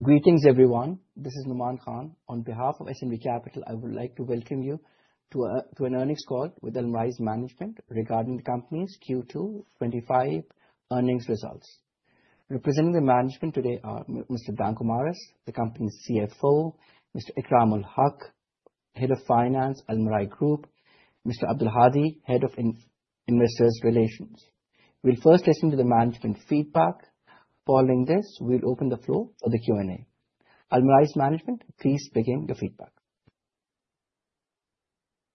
Greetings, everyone. This is Numan Khan. On behalf of SMB Capital, I would like to welcome you to an earnings call with Almarai's management regarding the company's Q2 2025 earnings results. Representing the management today are Mr. Danko Maras, the company's CFO, Mr. Ikram Ul-Haque, Head of Finance, Almarai Group, Mr. Abdulhadi Alamri, Head of Investor Relations. We'll first listen to the management feedback. Following this, we'll open the floor for the Q&A. Almarai's management, please begin your feedback.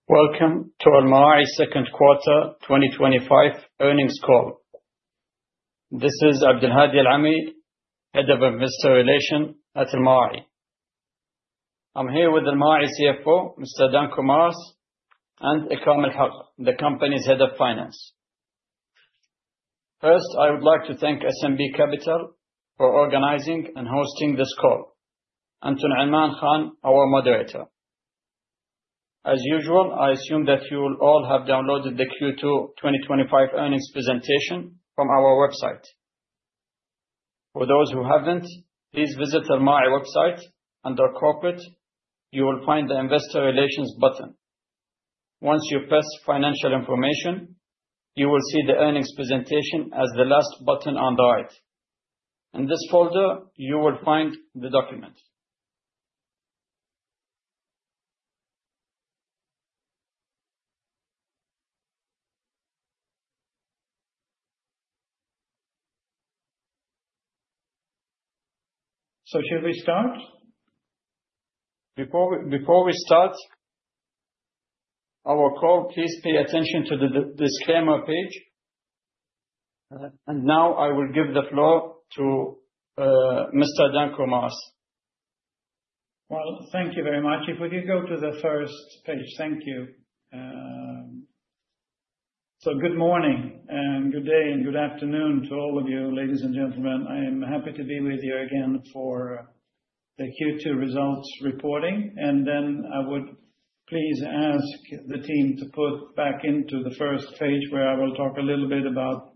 Welcome to Almarai's second quarter 2025 earnings call. This is Abdulhadi Alamri, Head of Investor Relations at Almarai. I'm here with Almarai CFO, Mr. Danko Maras, and Ikram Ul-Haque, the company's Head of Finance. First, I would like to thank SMB Capital for organizing and hosting this call. Anton Alman Khan, our moderator. As usual, I assume that you will all have downloaded the Q2 2025 earnings presentation from our website. For those who haven't, please visit Almarai website. Under Corporate, you will find the Investor Relations button. Once you press Financial Information, you will see the earnings presentation as the last button on the right. In this folder, you will find the document. Should we start? Before we start our call, please pay attention to the disclaimer page. Now I will give the floor to Mr. Danko Maras. Thank you very much. If we could go to the first page. Thank you. Good morning and good day and good afternoon to all of you, ladies and gentlemen. I am happy to be with you again for the Q2 results reporting. I would please ask the team to put back into the first page where I will talk a little bit about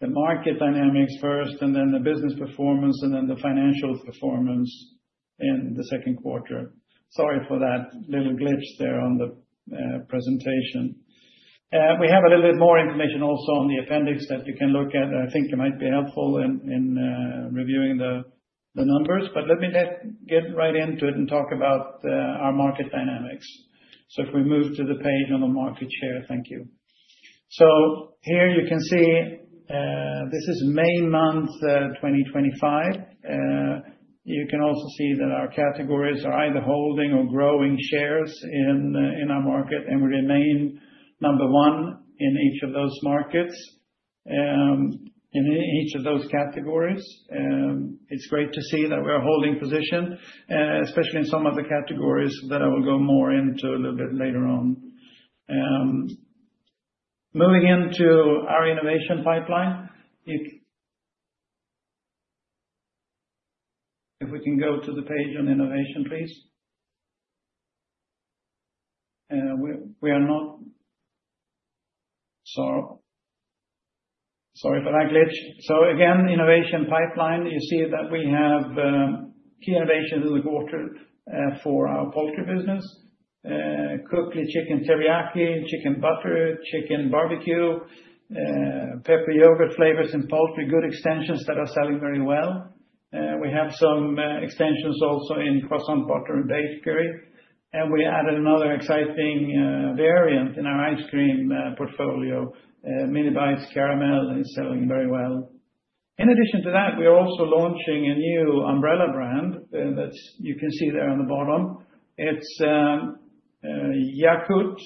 the market dynamics first, and then the business performance, and then the financial performance in the second quarter. Sorry for that little glitch there on the presentation. We have a little bit more information also on the appendix that you can look at. I think it might be helpful in reviewing the numbers. Let me get right into it and talk about our market dynamics. If we move to the page on the market share, thank you. Here you can see. This is May month 2025. You can also see that our categories are either holding or growing shares in our market, and we remain number one in each of those markets. In each of those categories, it's great to see that we are holding position. Especially in some of the categories that I will go more into a little bit later on. Moving into our innovation pipeline. If we can go to the page on innovation, please. We are not. Sorry. Sorry for that glitch. Again, innovation pipeline, you see that we have key innovations in the quarter for our poultry business. Cooked chicken teriyaki, chicken butter, chicken barbecue, pepper yogurt flavors in poultry, good extensions that are selling very well. We have some extensions also in croissant butter and baked curry. We added another exciting variant in our ice cream portfolio, Mini Bites Caramel, and it is selling very well. In addition to that, we are also launching a new umbrella brand that you can see there on the bottom. It is Yakut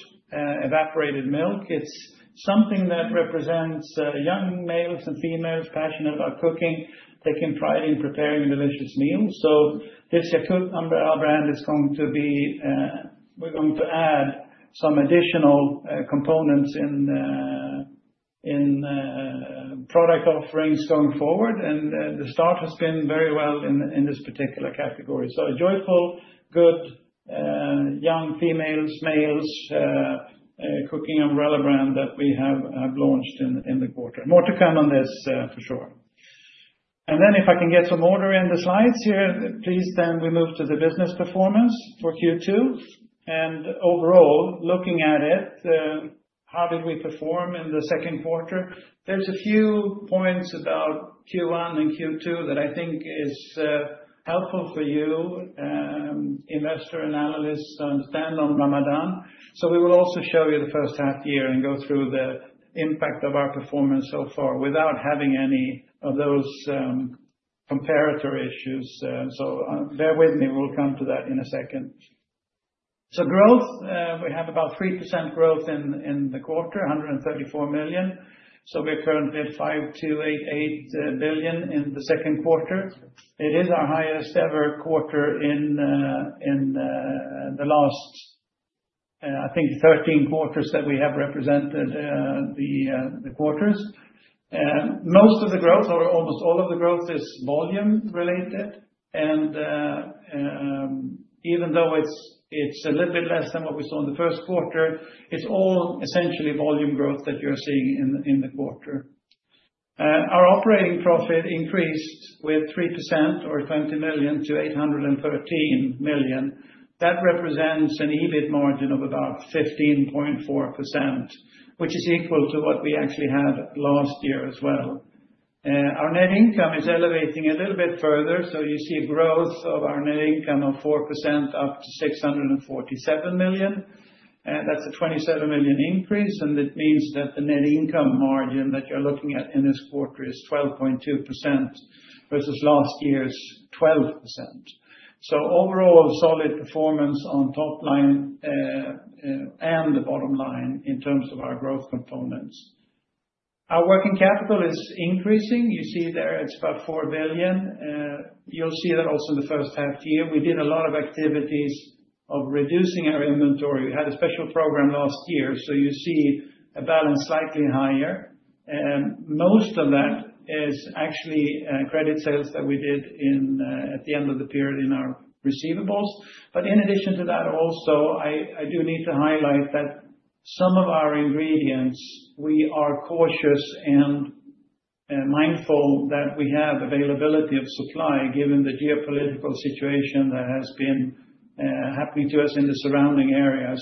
Evaporated Milk. It is something that represents young males and females passionate about cooking, taking pride in preparing delicious meals. This Yakut umbrella brand is going to be, we are going to add some additional components in, product offerings going forward. The start has been very well in this particular category. A joyful, good, young females, males, cooking umbrella brand that we have launched in the quarter. More to come on this for sure. If I can get some order in the slides here, please, we move to the business performance for Q2. Overall, looking at it. How did we perform in the second quarter? There are a few points about Q1 and Q2 that I think are helpful for you, investor analysts to understand on Ramadan. We will also show you the first half year and go through the impact of our performance so far without having any of those comparator issues. Bear with me, we will come to that in a second. Growth, we have about 3% growth in the quarter, 134 million. We are currently at 5.288 billion in the second quarter. It is our highest ever quarter in the last, I think, 13 quarters that we have represented the quarters. Most of the growth, or almost all of the growth, is volume related. Even though it is a little bit less than what we saw in the first quarter, it is all essentially volume growth that you are seeing in the quarter. Our operating profit increased with 3%, or 20 million-813 million. That represents an EBIT margin of about 15.4%, which is equal to what we actually had last year as well. Our net income is elevating a little bit further. You see growth of our net income of 4% up to 647 million. That's a 27 million increase. It means that the net income margin that you're looking at in this quarter is 12.2% versus last year's 12%. Overall, solid performance on top line. The bottom line in terms of our growth components. Our working capital is increasing. You see there, it's about 4 billion, you'll see that also in the first half year. We did a lot of activities of reducing our inventory. We had a special program last year. You see a balance slightly higher. Most of that is actually credit sales that we did at the end of the period in our receivables. In addition to that, also, I do need to highlight that some of our ingredients, we are cautious and mindful that we have availability of supply given the geopolitical situation that has been happening to us in the surrounding area.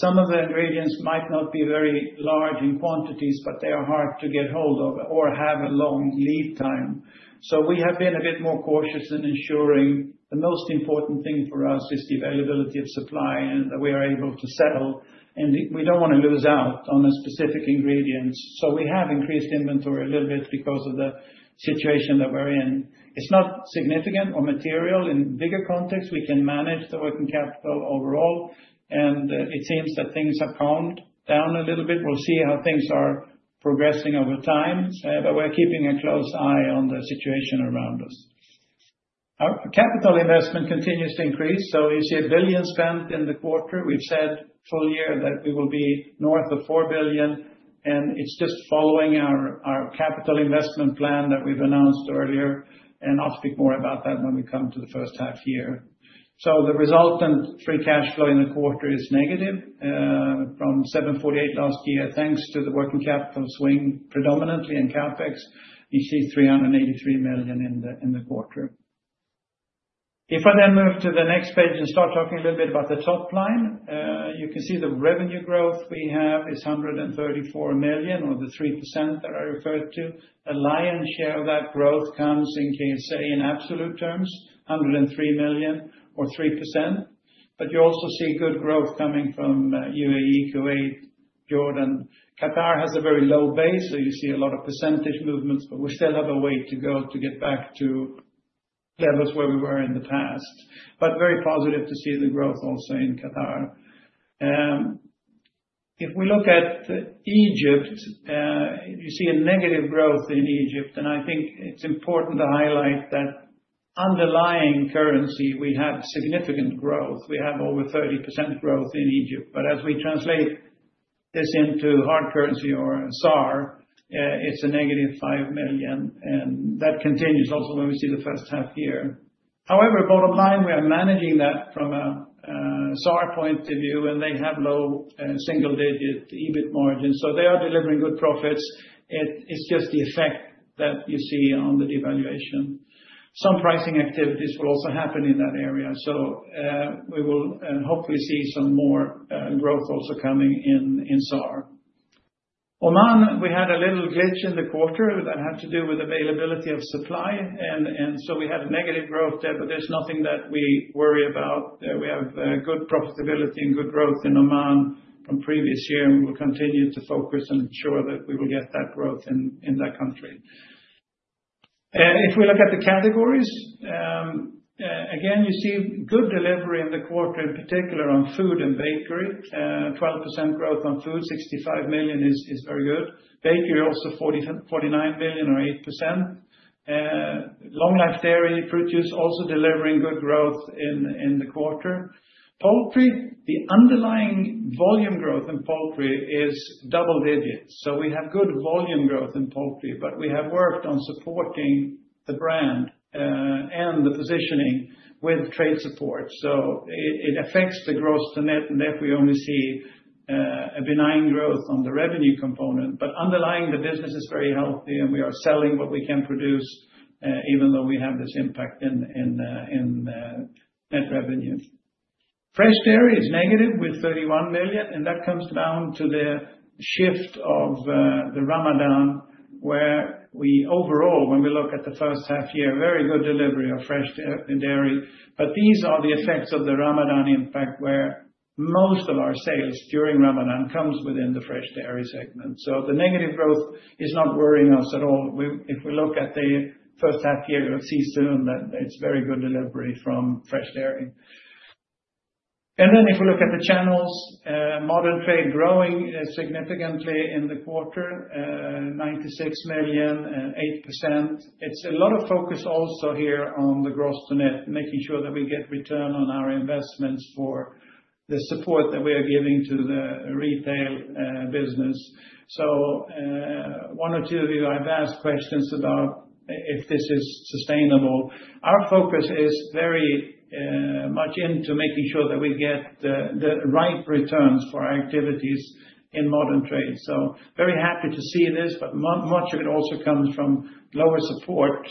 Some of the ingredients might not be very large in quantities, but they are hard to get hold of or have a long lead time. We have been a bit more cautious in ensuring the most important thing for us is the availability of supply and that we are able to settle. We do not want to lose out on the specific ingredients. We have increased inventory a little bit because of the situation that we are in. It is not significant or material in bigger context. We can manage the working capital overall. It seems that things have calmed down a little bit. We'll see how things are progressing over time. We're keeping a close eye on the situation around us. Our capital investment continues to increase. You see 1 billion spent in the quarter. We've said full year that we will be north of 4 billion. It is just following our capital investment plan that we've announced earlier. I'll speak more about that when we come to the first half year. The resultant free cash flow in the quarter is negative. From 748 million last year, thanks to the working capital swing predominantly in CapEx, you see 383 million in the quarter. If I then move to the next page and start talking a little bit about the top line, you can see the revenue growth we have is 134 million, or the 3% that I referred to. A lion's share of that growth comes, in KSA in absolute terms, 103 million or 3%. You also see good growth coming from UAE, Kuwait, Jordan. Qatar has a very low base, so you see a lot of percentage movements, but we still have a way to go to get back to levels where we were in the past. Very positive to see the growth also in Qatar. If we look at Egypt, you see a negative growth in Egypt. I think it's important to highlight that underlying currency, we have significant growth. We have over 30% growth in Egypt. As we translate this into hard currency or SAR, it's a -5 million. That continues also when we see the first half year. However, bottom line, we are managing that from a SAR point of view. They have low single-digit EBIT margins, so they are delivering good profits. It's just the effect that you see on the devaluation. Some pricing activities will also happen in that area. We will hopefully see some more growth also coming in SAR. Oman, we had a little glitch in the quarter that had to do with availability of supply, and we had a negative growth there, but there's nothing that we worry about. We have good profitability and good growth in Oman from previous year, and we will continue to focus and ensure that we will get that growth in that country. If we look at the categories. Again, you see good delivery in the quarter, in particular on food and bakery. 12% growth on food, 65 million is very good. Bakery also 49 million or 8%. Long-life dairy produce also delivering good growth in the quarter. Poultry, the underlying volume growth in poultry is double digits. We have good volume growth in poultry. We have worked on supporting the brand and the positioning with trade support. It affects the gross to net. Therefore, we only see a benign growth on the revenue component. Underlying, the business is very healthy. We are selling what we can produce, even though we have this impact in net revenue. Fresh dairy is negative with 31 million. That comes down to the shift of the Ramadan where we overall, when we look at the first half year, very good delivery of fresh dairy. These are the effects of the Ramadan impact where most of our sales during Ramadan come within the fresh dairy segment. The negative growth is not worrying us at all. If we look at the first half year of season, it is very good delivery from fresh dairy. If we look at the channels, modern trade is growing significantly in the quarter. 96 million and 8%. There is a lot of focus also here on the gross to net, making sure that we get return on our investments for the support that we are giving to the retail business. One or two of you have asked questions about if this is sustainable. Our focus is very much into making sure that we get the right returns for our activities in modern trade. Very happy to see this. Much of it also comes from lower support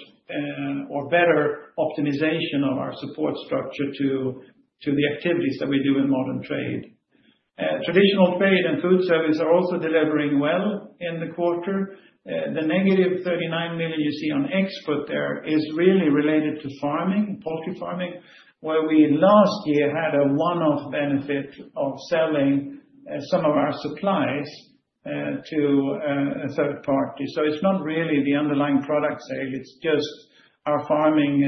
or better optimization of our support structure to the activities that we do in modern trade. Traditional trade and food service are also delivering well in the quarter. The -39 million you see on export there is really related to farming, poultry farming, where we last year had a one-off benefit of selling some of our supplies to a third party. It is not really the underlying product sale. It is just our farming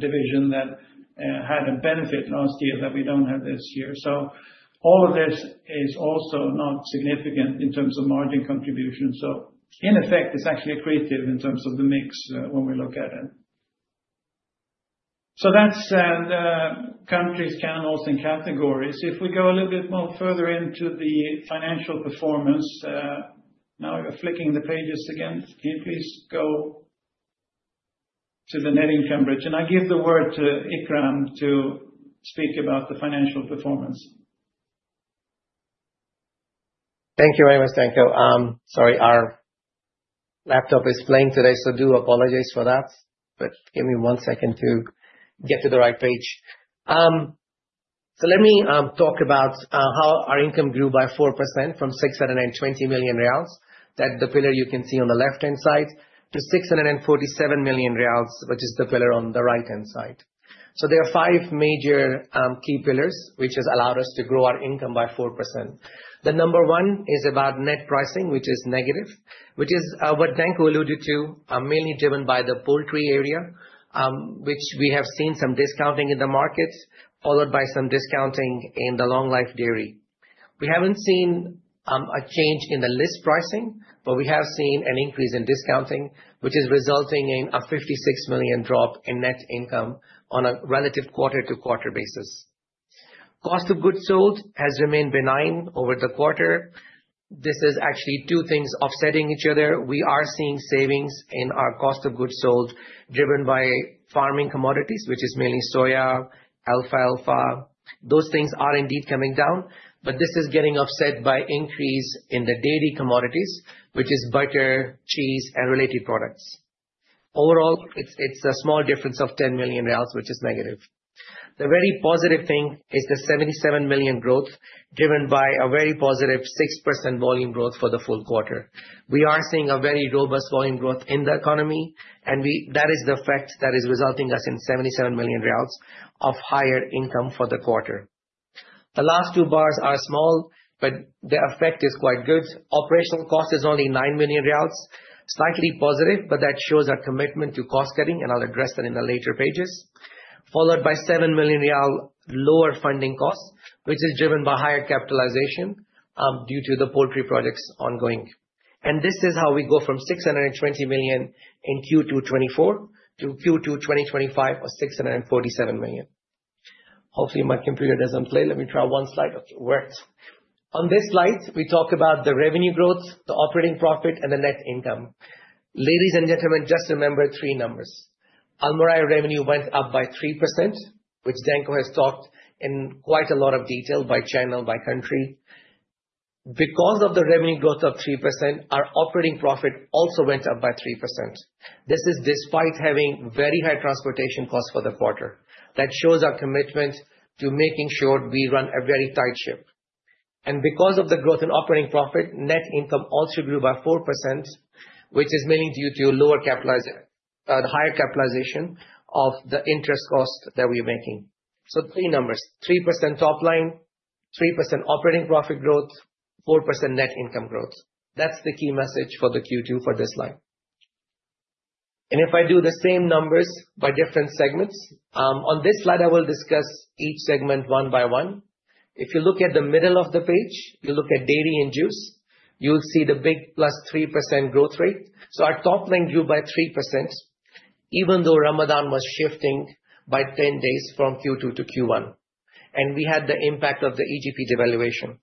division that had a benefit last year that we do not have this year. All of this is also not significant in terms of margin contribution. In effect, it is actually accretive in terms of the mix when we look at it. That is countries, channels, and categories. If we go a little bit more further into the financial performance, now we are flicking the pages again. Can you please go to the net income bridge? I give the word to Ikram to speak about the financial performance. Thank you very much, Danko. Sorry, our laptop is playing today, so do apologize for that. Give me one second to get to the right page. Let me talk about how our income grew by 4% from SAR 620 million, that is the pillar you can see on the left-hand side, to SAR 647 million, which is the pillar on the right-hand side. There are five major key pillars which have allowed us to grow our income by 4%. The number one is about net pricing, which is negative, which is what Danko alluded to, mainly driven by the poultry area, which we have seen some discounting in the markets, followed by some discounting in the long life dairy. We have not seen a change in the list pricing, but we have seen an increase in discounting, which is resulting in a 56 million drop in net income on a relative quarter-to-quarter basis. Cost of goods sold has remained benign over the quarter. This is actually two things offsetting each other. We are seeing savings in our cost of goods sold driven by farming commodities, which is mainly soya, alfalfa. Those things are indeed coming down. This is getting offset by increase in the dairy commodities, which is butter, cheese, and related products. Overall, it is a small difference of SAR 10 million, which is negative. The very positive thing is the 77 million growth driven by a very positive 6% volume growth for the full quarter. We are seeing a very robust volume growth in the economy. That is the effect that is resulting in 77 million riyals of higher income for the quarter. The last two bars are small, but the effect is quite good. Operational cost is only 9 million riyals, slightly positive, but that shows our commitment to cost-cutting. I'll address that in the later pages, followed by SAR 7 million lower funding costs, which is driven by higher capitalization due to the poultry projects ongoing. This is how we go from 620 million in Q2 2024 to Q2 2025 of 647 million. Hopefully, my computer does not play. Let me try one slide. Okay, it worked. On this slide, we talk about the revenue growth, the operating profit, and the net income. Ladies and gentlemen, just remember three numbers. Almarai revenue went up by 3%, which Danko has talked in quite a lot of detail by channel, by country. Because of the revenue growth of 3%, our operating profit also went up by 3%. This is despite having very high transportation costs for the quarter. That shows our commitment to making sure we run a very tight ship. Because of the growth in operating profit, net income also grew by 4%, which is mainly due to the higher capitalization of the interest cost that we are making. So three numbers: 3% top line, 3% operating profit growth, 4% net income growth. That is the key message for the Q2 for this line. If I do the same numbers by different segments, on this slide, I will discuss each segment one by one. If you look at the middle of the page, you look at dairy and juice, you will see the big plus 3% growth rate. Our top line grew by 3%. Even though Ramadan was shifting by 10 days from Q2 to Q1. We had the impact of the EGP devaluation.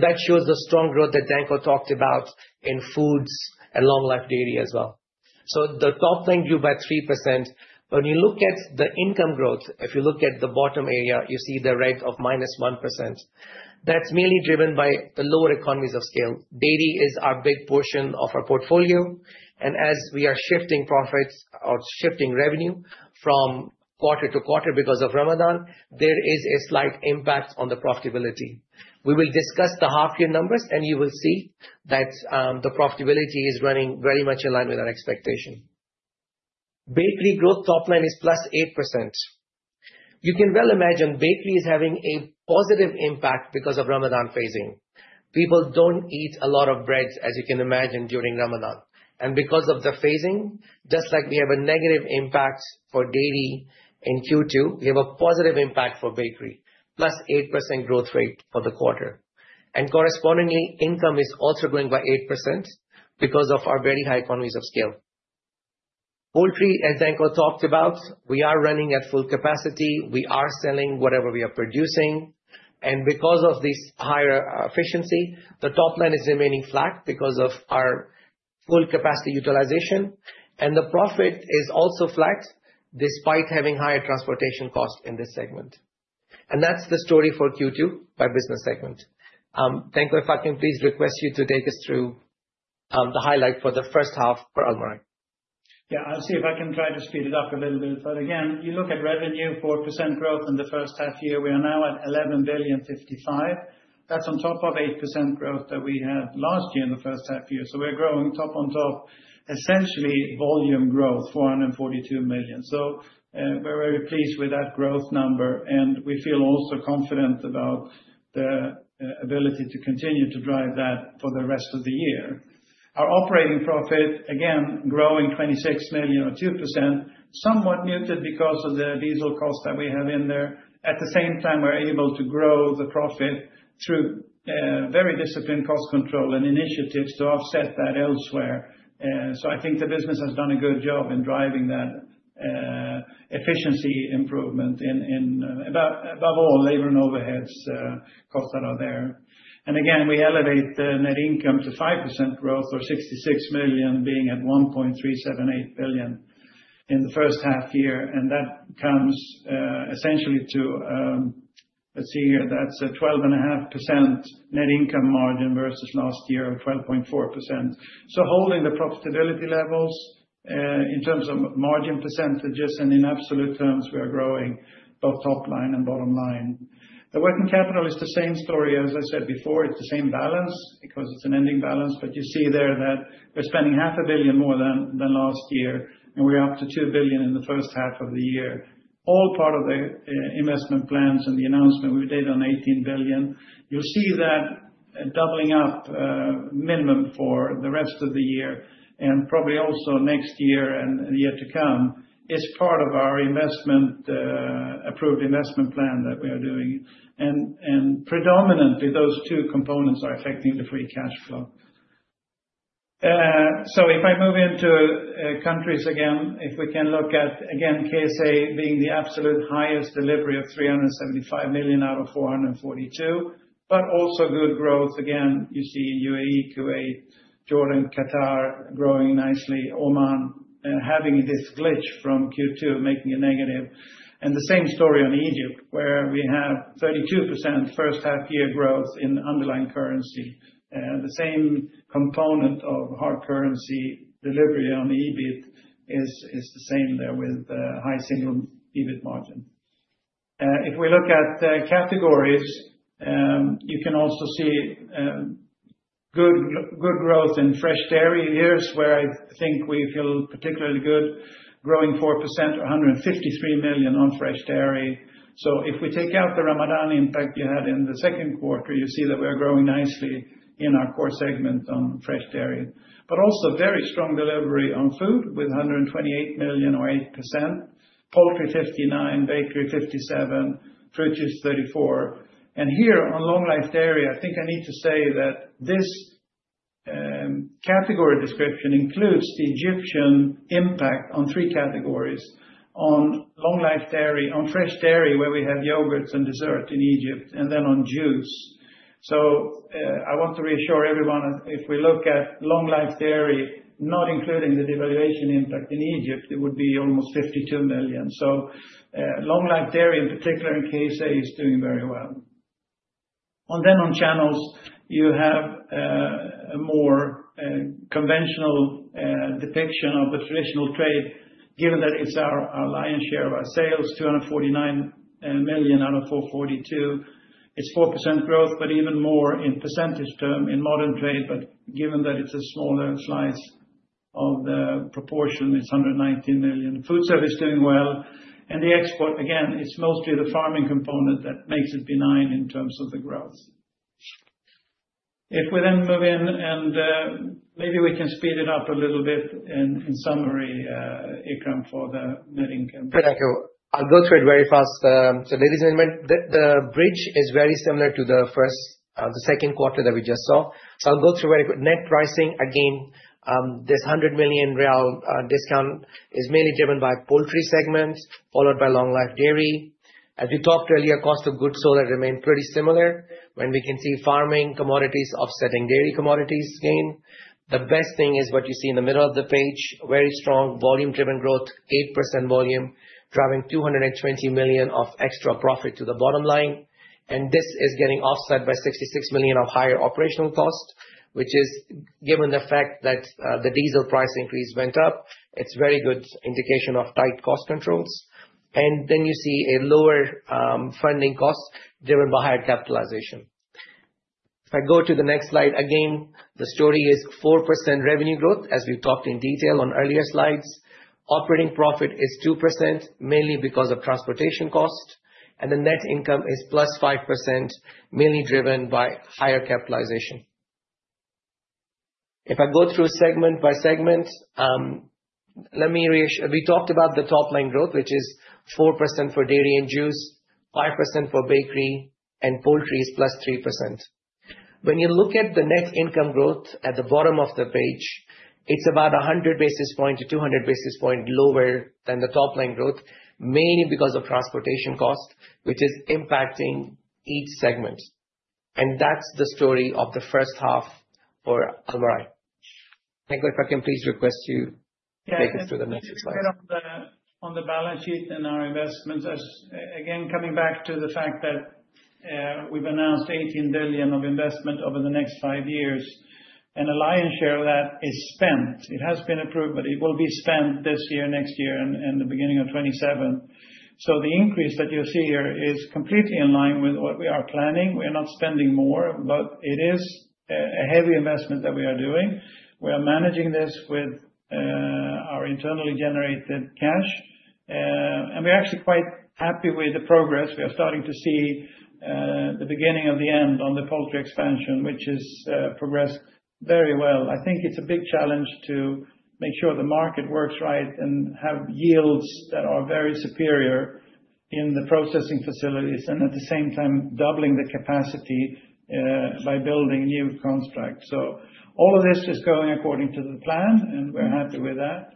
That shows the strong growth that Danko talked about in foods and long-life dairy as well. The top line grew by 3%. When you look at the income growth, if you look at the bottom area, you see the red of -1%. That is mainly driven by the lower economies of scale. Dairy is our big portion of our portfolio. As we are shifting profits or shifting revenue from quarter to quarter because of Ramadan, there is a slight impact on the profitability. We will discuss the half-year numbers, and you will see that the profitability is running very much in line with our expectation. Bakery growth top line is +8%. You can well imagine bakery is having a positive impact because of Ramadan phasing. People do not eat a lot of bread, as you can imagine, during Ramadan. Because of the phasing, just like we have a negative impact for dairy in Q2, we have a positive impact for bakery, +8% growth rate for the quarter. Correspondingly, income is also growing by 8% because of our very high economies of scale. Poultry, as Danko talked about, we are running at full capacity. We are selling whatever we are producing. Because of this higher efficiency, the top line is remaining flat because of our full capacity utilization. The profit is also flat despite having higher transportation costs in this segment. That is the story for Q2 by business segment. Danko, if I can please request you to take us through the highlight for the first half for Almarai. Yeah, I'll see if I can try to speed it up a little bit. Again, you look at revenue, 4% growth in the first half year. We are now at 11.055 billion. That is on top of 8% growth that we had last year in the first half year. We are growing top on top, essentially volume growth, 442 million. We are very pleased with that growth number. We feel also confident about the ability to continue to drive that for the rest of the year. Our operating profit, again, growing 26 million or 2%, somewhat muted because of the diesel cost that we have in there. At the same time, we are able to grow the profit through very disciplined cost control and initiatives to offset that elsewhere. I think the business has done a good job in driving that. Efficiency improvement in, above all, labor and overhead costs that are there. Again, we elevate the net income to 5% growth, or 66 million being at 1.378 billion in the first half year. That comes essentially to, let's see here, that's a 12.5% net income margin versus last year, 12.4%. Holding the profitability levels in terms of margin percentages and in absolute terms, we are growing both top line and bottom line. The working capital is the same story, as I said before. It's the same balance because it's an ending balance. You see there that we're spending 500 million more than last year. We're up to 2 billion in the first half of the year. All part of the investment plans and the announcement we did on 18 billion. You'll see that. Doubling up minimum for the rest of the year and probably also next year and the year to come is part of our investment. Approved investment plan that we are doing. Predominantly, those two components are affecting the free cash flow. If I move into countries again, if we can look at, again, KSA being the absolute highest delivery of 375 million out of 442 million, but also good growth. You see UAE, Kuwait, Jordan, Qatar growing nicely, Oman having this glitch from Q2 making a negative. The same story on Egypt, where we have 32% first half year growth in underlying currency. The same component of hard currency delivery on the EBIT is the same there with high-single EBIT margin. If we look at categories. You can also see good growth in fresh dairy. Here's where I think we feel particularly good, growing 4% or 153 million on fresh dairy. If we take out the Ramadan impact you had in the second quarter, you see that we are growing nicely in our core segment on fresh dairy. Also, very strong delivery on food with 128 million or 8%, poultry 59 million, bakery 57 million, fruit juice 34 million. Here on long-life dairy, I think I need to say that this category description includes the Egyptian impact on three categories: on long-life dairy, on fresh dairy, where we have yogurts and dessert in Egypt, and then on juice. I want to reassure everyone, if we look at long-life dairy, not including the devaluation impact in Egypt, it would be almost 52 million. Long-life dairy, in particular in KSA, is doing very well. Then on channels, you have a more conventional depiction of the traditional trade, given that it's our lion's share of our sales, 249 million out of 442 million. It's 4% growth, but even more in percentage term in modern trade. Given that it's a smaller slice of the proportion, it's 119 million. Food service is doing well. The export, again, it's mostly the farming component that makes it benign in terms of the growth. If we then move in and maybe we can speed it up a little bit in summary, Ikram, for the net income. Thank you. I'll go through it very fast. Ladies and gentlemen, the bridge is very similar to the second quarter that we just saw. I'll go through very quickly. Net pricing, again, this SAR 100 million discount is mainly driven by poultry segment, followed by long-life dairy. As we talked earlier, cost of goods sold has remained pretty similar when we can see farming commodities offsetting dairy commodities gain. The best thing is what you see in the middle of the page, very strong volume-driven growth, 8% volume, driving 220 million of extra profit to the bottom line. This is getting offset by 66 million of higher operational cost, which is given the fact that the diesel price increase went up. It is a very good indication of tight cost controls. You see a lower funding cost driven by higher capitalization. If I go to the next slide, again, the story is 4% revenue growth, as we have talked in detail on earlier slides. Operating profit is 2%, mainly because of transportation cost. The net income is +5%, mainly driven by higher capitalization. If I go through segment by segment. We talked about the top line growth, which is 4% for dairy and juice, 5% for bakery, and poultry is +3%. When you look at the net income growth at the bottom of the page, it's about 100 basis points to 200 basis points lower than the top line growth, mainly because of transportation cost, which is impacting each segment. That's the story of the first half for Almarai. Danko, if I can please request you to take us to the next slide. On the balance sheet and our investments, again, coming back to the fact that we've announced 18 billion of investment over the next five years. A lion's share of that is spent. It has been approved, but it will be spent this year, next year, and the beginning of 2027. The increase that you'll see here is completely in line with what we are planning. We are not spending more, but it is a heavy investment that we are doing. We are managing this with our internally generated cash and we're actually quite happy with the progress. We are starting to see the beginning of the end on the poultry expansion, which has progressed very well. I think it's a big challenge to make sure the market works right and have yields that are very superior in the processing facilities and at the same time doubling the capacity by building new constructs. All of this is going according to the plan, and we're happy with that.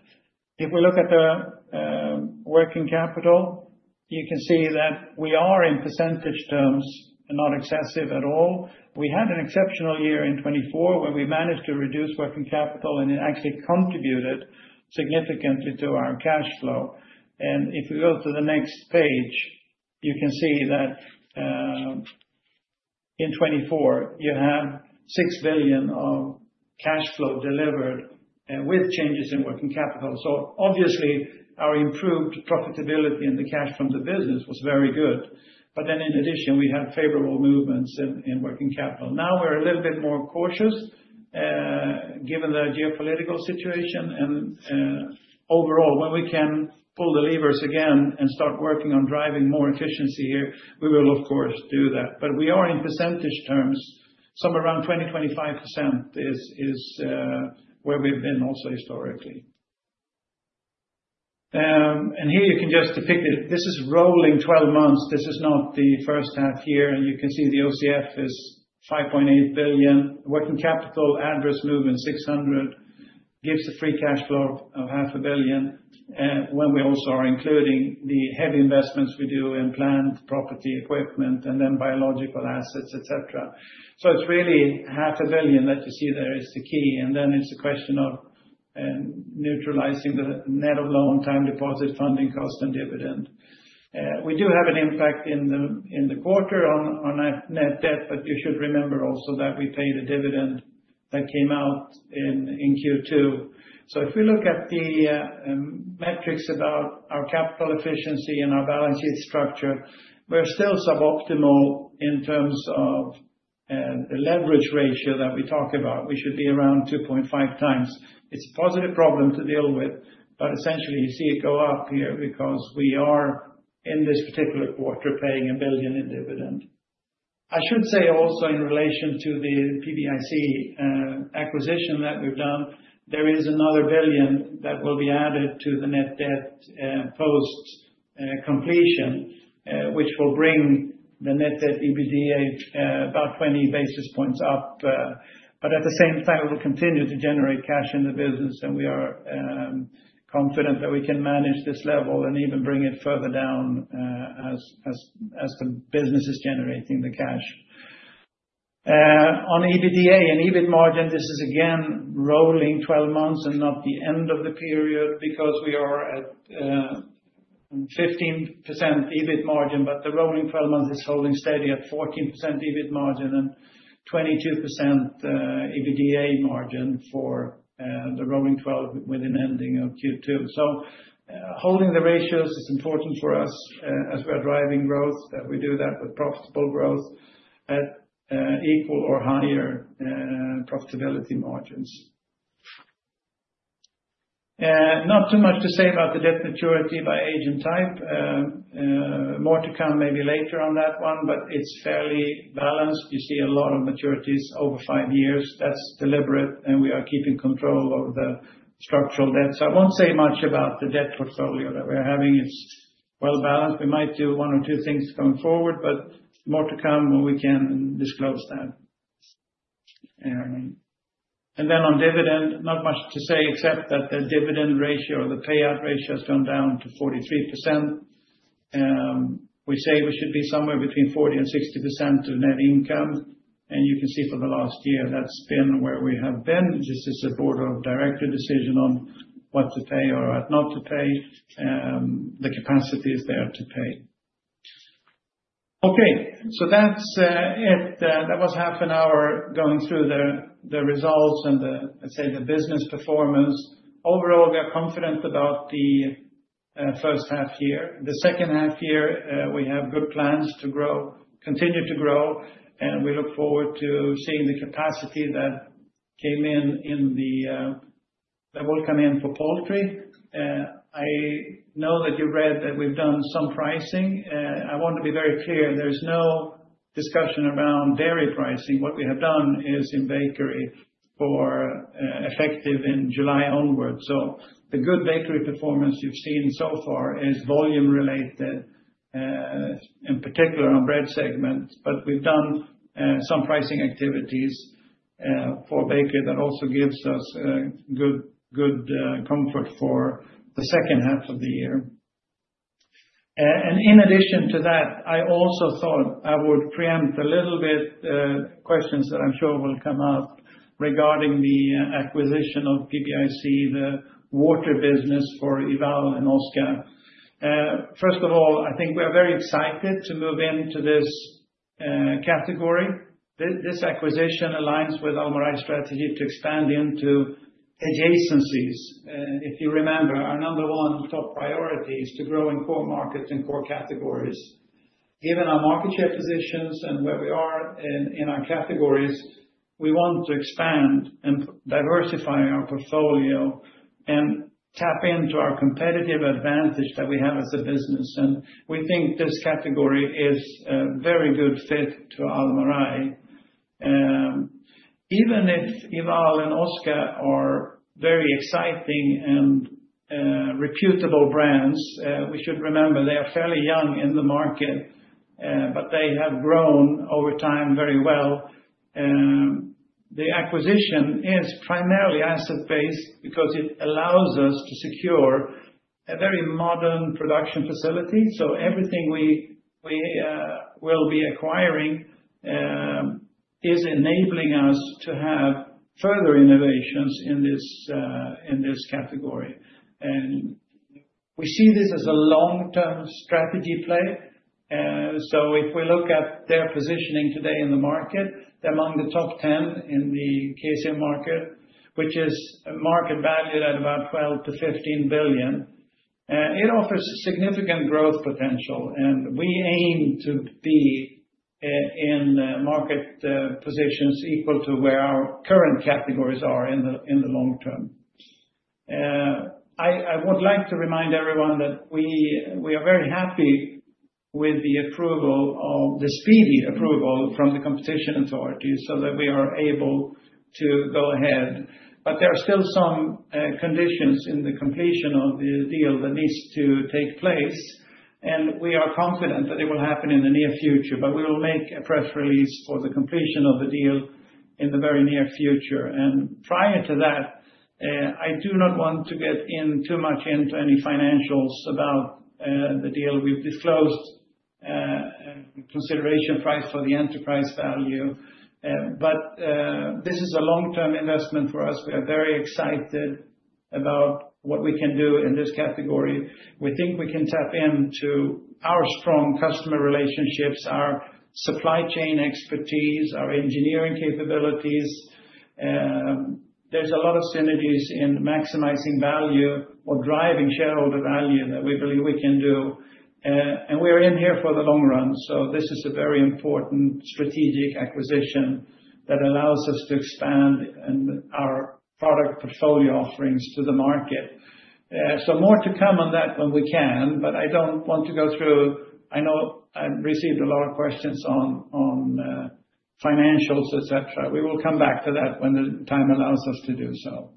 If we look at the working capital, you can see that we are in percentage terms and not excessive at all. We had an exceptional year in 2024 where we managed to reduce working capital, and it actually contributed significantly to our cash flow. If we go to the next page, you can see that. In 2024, you have 6 billion of cash flow delivered with changes in working capital. Obviously, our improved profitability in the cash from the business was very good. In addition, we had favorable movements in working capital. Now we are a little bit more cautious, given the geopolitical situation. Overall, when we can pull the levers again and start working on driving more efficiency here, we will, of course, do that. We are, in percentage terms, somewhere around 20%-25%, that is where we have been also historically. Here you can just depict it. This is rolling 12 months. This is not the first half year. You can see the OCF is 5.8 billion. Working capital adverse movement 600 million gives the free cash flow of 500 million when we also are including the heavy investments we do in planned property, equipment, and then biological assets, etc. It is really 500 million that you see there is the key. It is a question of neutralizing the net of loan time deposit funding cost and dividend. We do have an impact in the quarter on net debt, but you should remember also that we paid a dividend that came out in Q2. If we look at the metrics about our capital efficiency and our balance sheet structure, we are still suboptimal in terms of the leverage ratio that we talk about. We should be around 2.5x. It's a positive problem to deal with, but essentially, you see it go up here because we are in this particular quarter paying 1 billion in dividend. I should say also in relation to the PBIC acquisition that we've done, there is another 1 billion that will be added to the net debt post-completion, which will bring the net debt EBITDA about 20 basis points up. At the same time, it will continue to generate cash in the business. We are confident that we can manage this level and even bring it further down as the business is generating the cash. On EBITDA and EBIT margin, this is again rolling 12 months and not the end of the period because we are at 15% EBIT margin, but the rolling 12 months is holding steady at 14% EBIT margin and 22%. EBITDA margin for the rolling 12 within ending of Q2. Holding the ratios is important for us as we are driving growth. We do that with profitable growth at equal or higher profitability margins. Not too much to say about the debt maturity by age and type. More to come maybe later on that one, but it is fairly balanced. You see a lot of maturities over five years. That is deliberate, and we are keeping control of the structural debt. I will not say much about the debt portfolio that we are having. It is well balanced. We might do one or two things going forward, but more to come when we can disclose that. On dividend, not much to say except that the dividend ratio or the payout ratio has gone down to 43%. We say we should be somewhere between 40% and 60% of net income. You can see for the last year, that's been where we have been. This is a Board of Director decision on what to pay or what not to pay. The capacity is there to pay. Okay. That was half an hour going through the results and, I'd say, the business performance. Overall, we are confident about the first half year. The second half year, we have good plans to grow, continue to grow. We look forward to seeing the capacity that came in, that will come in for poultry. I know that you read that we've done some pricing. I want to be very clear. There is no discussion around dairy pricing. What we have done is in bakery, effective in July onward. The good bakery performance you have seen so far is volume-related, in particular on the bread segment. We have done some pricing activities. For bakery, that also gives us good comfort for the second half of the year. In addition to that, I also thought I would preempt a little bit questions that I am sure will come up regarding the acquisition of PBIC, the water business for Ival and Oska. First of all, I think we are very excited to move into this category. This acquisition aligns with Almarai's strategy to expand into adjacencies. If you remember, our number one top priority is to grow in core markets and core categories. Given our market share positions and where we are in our categories, we want to expand and diversify our portfolio and tap into our competitive advantage that we have as a business. We think this category is a very good fit to Almarai. Even if Ival and Oska are very exciting and reputable brands, we should remember they are fairly young in the market. They have grown over time very well. The acquisition is primarily asset-based because it allows us to secure a very modern production facility. Everything we will be acquiring is enabling us to have further innovations in this category. We see this as a long-term strategy play. If we look at their positioning today in the market, they are among the top 10 in the KSA market, which is a market valued at about 12 billion-15 billion. It offers significant growth potential. We aim to be in market positions equal to where our current categories are in the long term. I would like to remind everyone that we are very happy with the speedy approval from the competition authority so that we are able to go ahead. There are still some conditions in the completion of the deal that needs to take place. We are confident that it will happen in the near future. We will make a press release for the completion of the deal in the very near future. Prior to that, I do not want to get too much into any financials about the deal we've disclosed. Consideration price for the enterprise value. This is a long-term investment for us. We are very excited about what we can do in this category. We think we can tap into our strong customer relationships, our supply chain expertise, our engineering capabilities. There is a lot of synergy in maximizing value or driving shareholder value that we believe we can do. We are in here for the long run. This is a very important strategic acquisition that allows us to expand our product portfolio offerings to the market. More to come on that when we can, I know I've received a lot of questions on financials, etc. We will come back to that when the time allows us to do so.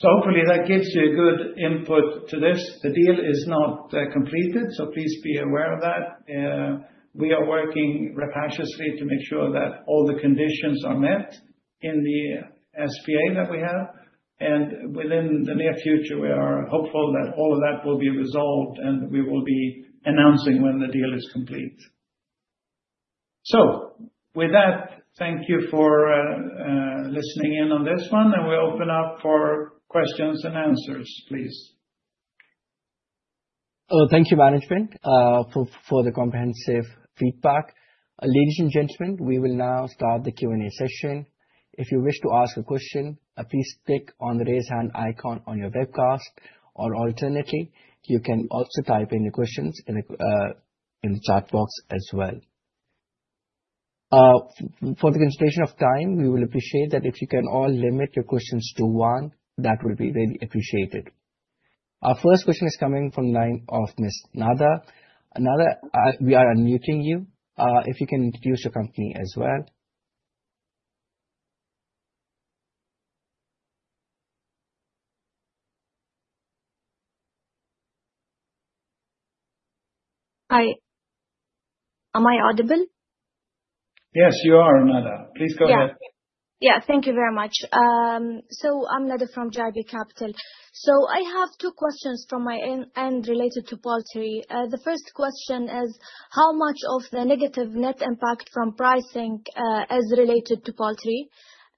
Hopefully, that gives you good input to this. The deal is not completed, so please be aware of that. We are working rapaciously to make sure that all the conditions are met in the SPA that we have. Within the near future, we are hopeful that all of that will be resolved, and we will be announcing when the deal is complete. Thank you for listening in on this one. We open up for questions and answers, please. Thank you, management, for the comprehensive feedback. Ladies and gentlemen, we will now start the Q&A session. If you wish to ask a question, please click on the raise hand icon on your webcast, or alternately, you can also type in your questions in the chat box as well. For the consideration of time, we will appreciate that if you can all limit your questions to one, that would be really appreciated. Our first question is coming from the line of Ms. Nada. Nada, we are unmuting you. If you can introduce your company as well. Hi. Am I audible? Yes, you are, Nada. Please go ahead. Yeah. Thank you very much. So I'm Nada from JB Capital. So I have two questions from my end related to poultry. The first question is, how much of the negative net impact from pricing is related to poultry?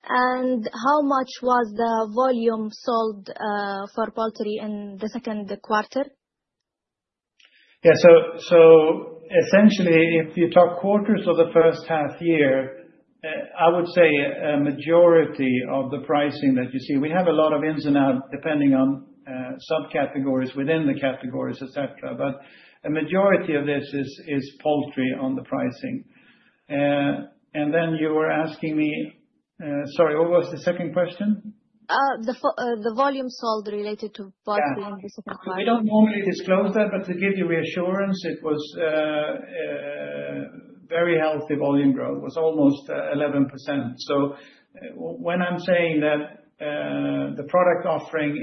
How much was the volume sold for poultry in the second quarter? Yeah. Essentially, if you talk quarters of the first half year, I would say a majority of the pricing that you see, we have a lot of ins and outs depending on subcategories within the categories, etc. A majority of this is poultry on the pricing. You were asking me— Sorry, what was the second question? The volume sold related to poultry in the second quarter. We do not normally disclose that, but to give you reassurance, it was very healthy volume growth., it was almost 11%. When I am saying that the product offering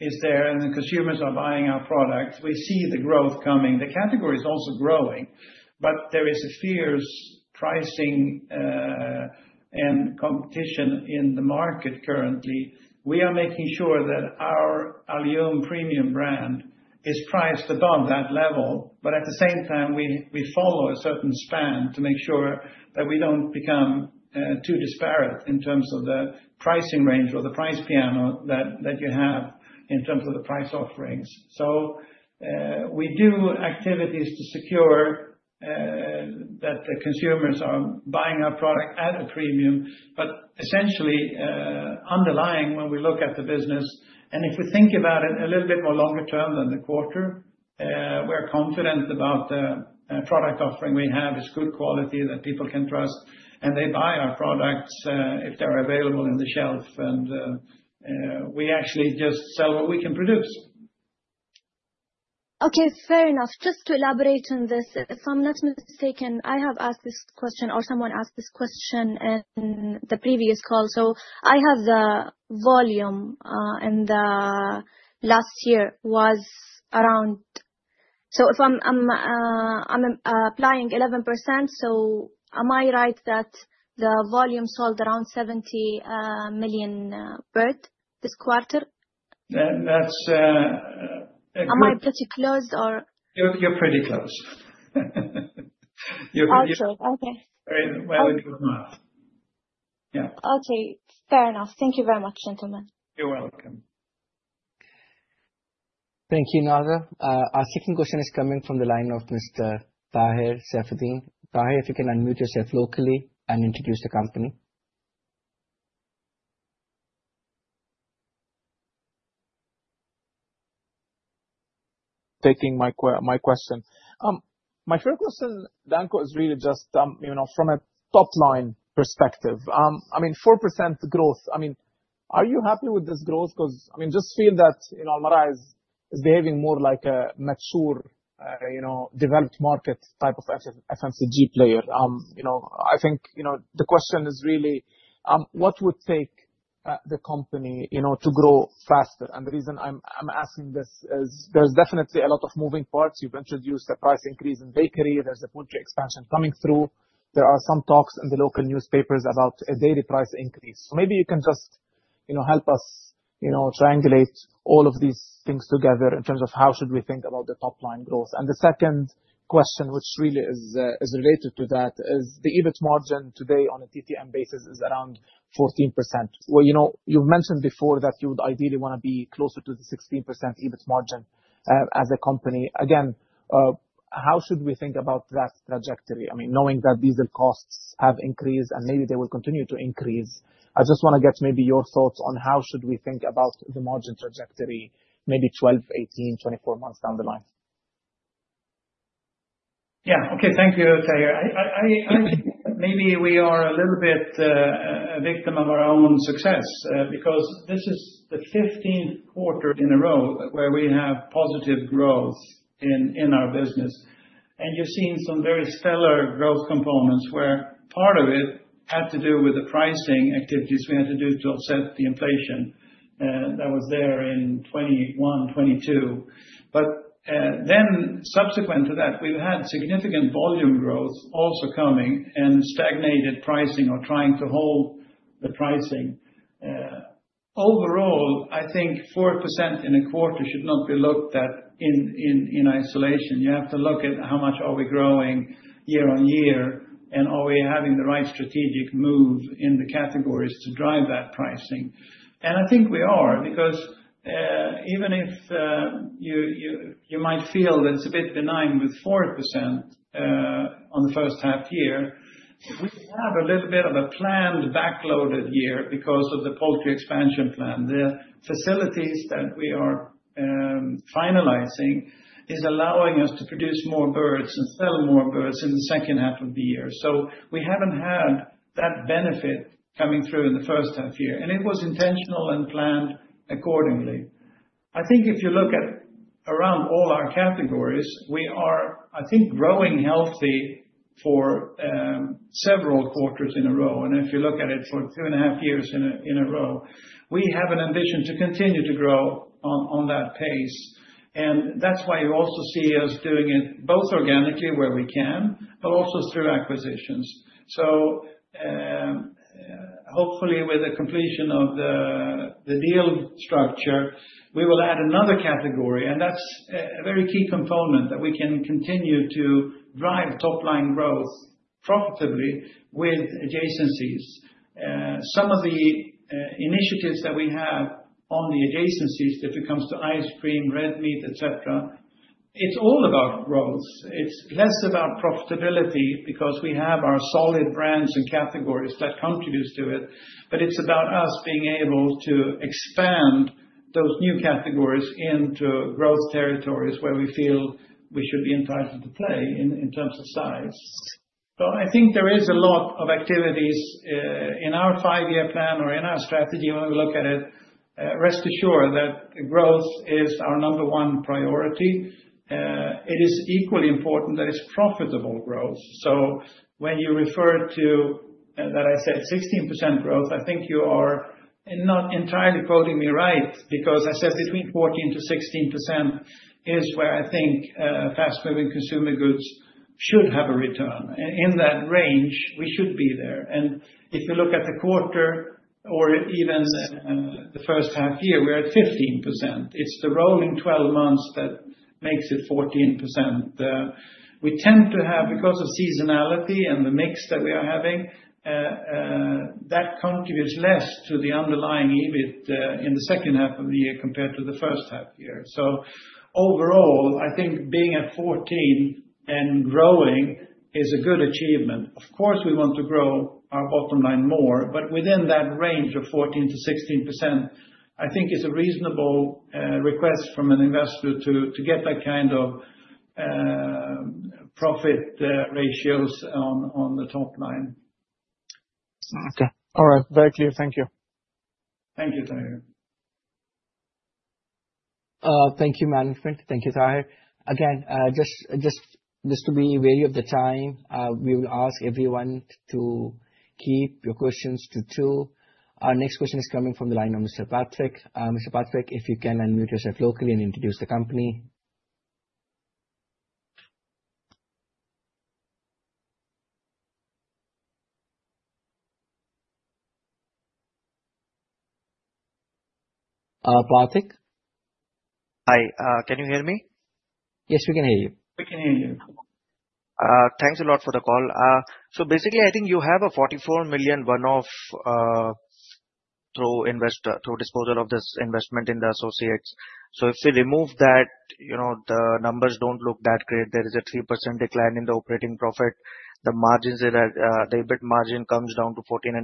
is there and the consumers are buying our product, we see the growth coming. The category is also growing, but there is a fierce pricing and competition in the market currently. We are making sure that our Alyoum Premium brand is priced above that level. At the same time, we follow a certain span to make sure that we do not become too disparate in terms of the pricing range or the price piano that you have in terms of the price offerings. We do activities to secure that the consumers are buying our product at a premium, but essentially, underlying when we look at the business, and if we think about it a little bit more longer term than the quarter, we are confident about the product offering we have. It is good quality that people can trust, and they buy our products if they are available on the shelf. We actually just sell what we can produce. Okay. Fair enough. Just to elaborate on this, if I'm not mistaken, I have asked this question or someone asked this question in the previous call. So I have the volume in the last year was around. So if I'm applying 11%, so am I right that the volume sold around 70 million bird this quarter? Am I pretty close or? You're pretty close. You're pretty close. Okay. Very good math. Yeah. Okay. Fair enough. Thank you very much, gentlemen. You're welcome. Thank you, Nada. Our second question is coming from the line of Mr. Taher Safieddine. Taher, if you can unmute yourself locally and introduce the company. Taking my question. My first question, Danko, is really just. From a top-line perspective. I mean, 4% growth. I mean, are you happy with this growth? Because I mean, just feel that Almarai is behaving more like a mature, developed market type of FMCG player. I think the question is really, what would take the company to grow faster? The reason I'm asking this is there's definitely a lot of moving parts. You've introduced a price increase in bakery. There's a poultry expansion coming through. There are some talks in the local newspapers about a dairy price increase. Maybe you can just help us triangulate all of these things together in terms of how should we think about the top-line growth. The second question, which really is related to that, is the EBIT margin today on a TTM basis is around 14%. You've mentioned before that you would ideally want to be closer to the 16% EBIT margin as a company. Again, how should we think about that trajectory? I mean, knowing that diesel costs have increased and maybe they will continue to increase, I just want to get maybe your thoughts on how should we think about the margin trajectory, maybe 12, 18, 24 months down the line. Yeah. Okay. Thank you, Taher. Maybe we are a little bit a victim of our own success because this is the 15th quarter in a row where we have positive growth in our business. And you've seen some very stellar growth components where part of it had to do with the pricing activities we had to do to offset the inflation that was there in 2021, 2022. But then subsequent to that, we've had significant volume growth also coming and stagnated pricing or trying to hold the pricing. Overall, I think 4% in a quarter should not be looked at in isolation. You have to look at how much are we growing year on year and are we having the right strategic move in the categories to drive that pricing. I think we are because even if you might feel that it's a bit benign with 4% on the first half year, we have a little bit of a planned backloaded year because of the poultry expansion plan. The facilities that we are finalizing are allowing us to produce more birds and sell more birds in the second half of the year. We haven't had that benefit coming through in the first half year, and it was intentional and planned accordingly. I think if you look at around all our categories, we are, I think, growing healthy for several quarters in a row. If you look at it for two and a half years in a row, we have an ambition to continue to grow on that pace. That is why you also see us doing it both organically where we can, but also through acquisitions. Hopefully, with the completion of the deal structure, we will add another category. That is a very key component that we can continue to drive top-line growth profitably with adjacencies. Some of the initiatives that we have on the adjacencies, if it comes to ice cream, red meat, etc., it is all about growth. It is less about profitability because we have our solid brands and categories that contribute to it. It is about us being able to expand those new categories into growth territories where we feel we should be entitled to play in terms of size. I think there is a lot of activities in our five-year plan or in our strategy when we look at it. Rest assured that growth is our number one priority. It is equally important that it's profitable growth. When you refer to that I said, 16% growth, I think you are not entirely quoting me right because I said between 14%-16% is where I think fast-moving consumer goods should have a return. In that range, we should be there. If you look at the quarter or even the first half year, we're at 15%. It's the rolling 12 months that makes it 14%. We tend to have, because of seasonality and the mix that we are having, that contributes less to the underlying EBIT in the second half of the year compared to the first half year. So overall, I think being at 14% and growing is a good achievement. Of course, we want to grow our bottom line more, but within that range of 14%-16%, I think it's a reasonable request from an investor to get that kind of profit ratios on the top line. Okay. All right. Very clear. Thank you. Thank you, Taher. Thank you, management. Thank you, Taher. Again, just to be wary of the time, we will ask everyone to keep your questions to two. Our next question is coming from the line of Mr. Patrick. Mr. Patrick, if you can unmute yourself locally and introduce the company. Patrick. Hi. Can you hear me? Yes, we can hear you. We can hear you. Thanks a lot for the call. So basically, I think you have a 44 million one-off through disposal of this investment in the associates. If we remove that, the numbers do not look that great. There is a 3% decline in the operating profit. The EBIT margin comes down to 14.5%.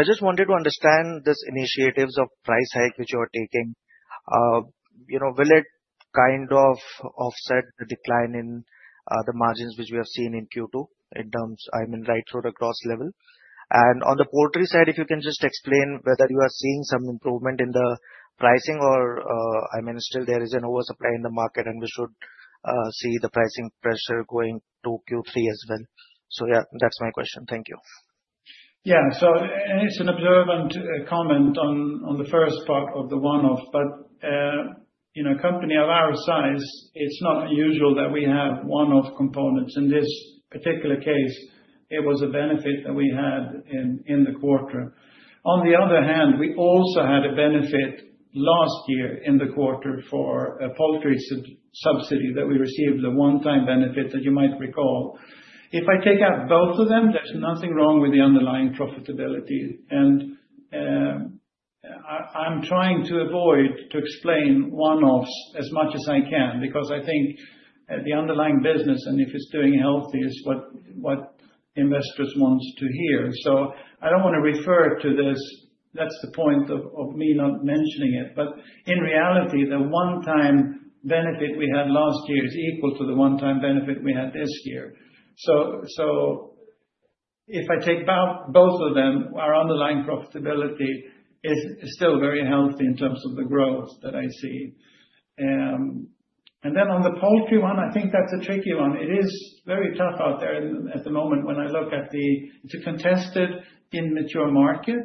I just wanted to understand these initiatives of price hike which you are taking. Will it kind of offset the decline in the margins which we have seen in Q2 in terms, I mean, right through the gross level? On the poultry side, if you can just explain whether you are seeing some improvement in the pricing or, I mean, still there is an oversupply in the market and we should see the pricing pressure going to Q3 as well. That is my question. Thank you. Yeah, it is an observant comment on the first part of the one-off. A company of our size, it is not unusual that we have one-off components. In this particular case, it was a benefit that we had in the quarter. On the other hand, we also had a benefit last year in the quarter for a poultry subsidy that we received, the one-time benefit that you might recall. If I take out both of them, there's nothing wrong with the underlying profitability. I'm trying to avoid to explain one-offs as much as I can because I think the underlying business, and if it's doing healthy, is what investors want to hear. I don't want to refer to this. That's the point of me not mentioning it. In reality, the one-time benefit we had last year is equal to the one-time benefit we had this year. If I take both of them, our underlying profitability is still very healthy in terms of the growth that I see. On the poultry one, I think that's a tricky one. It is very tough out there at the moment when I look at it. It's a contested, immature market.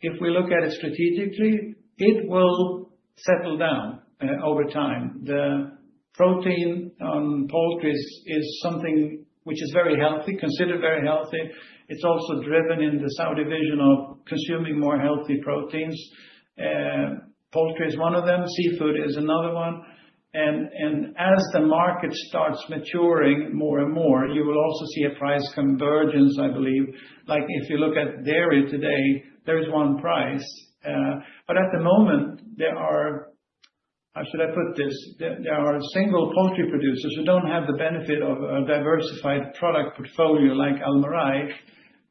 If we look at it strategically, it will settle down over time. The protein on poultry is something which is very healthy, considered very healthy. It's also driven in the Saudi vision of consuming more healthy proteins. Poultry is one of them, seafood is another one. As the market starts maturing more and more, you will also see a price convergence, I believe. Like if you look at dairy today, there is one price. At the moment, there are, how should I put this, there are single poultry producers who do not have the benefit of a diversified product portfolio like Almarai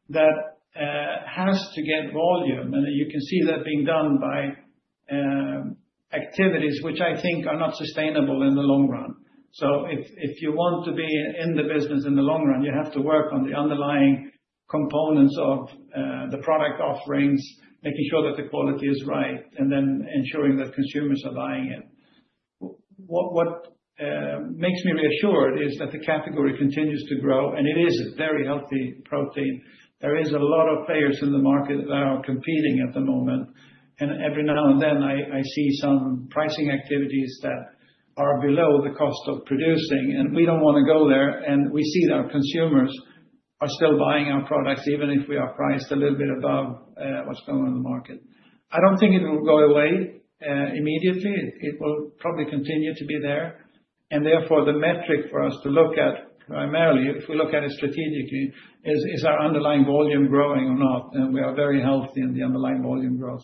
that has to get volume. You can see that being done by activities which I think are not sustainable in the long run. If you want to be in the business in the long run, you have to work on the underlying components of the product offerings, making sure that the quality is right, and then ensuring that consumers are buying it. What makes me reassured is that the category continues to grow. It is a very healthy protein. There are a lot of players in the market that are competing at the moment. Every now and then, I see some pricing activities that are below the cost of producing. We do not want to go there. We see that our consumers are still buying our products even if we are priced a little bit above what is going on in the market. I do not think it will go away immediately. It will probably continue to be there. Therefore, the metric for us to look at primarily, if we look at it strategically, is our underlying volume growing or not. We are very healthy in the underlying volume growth.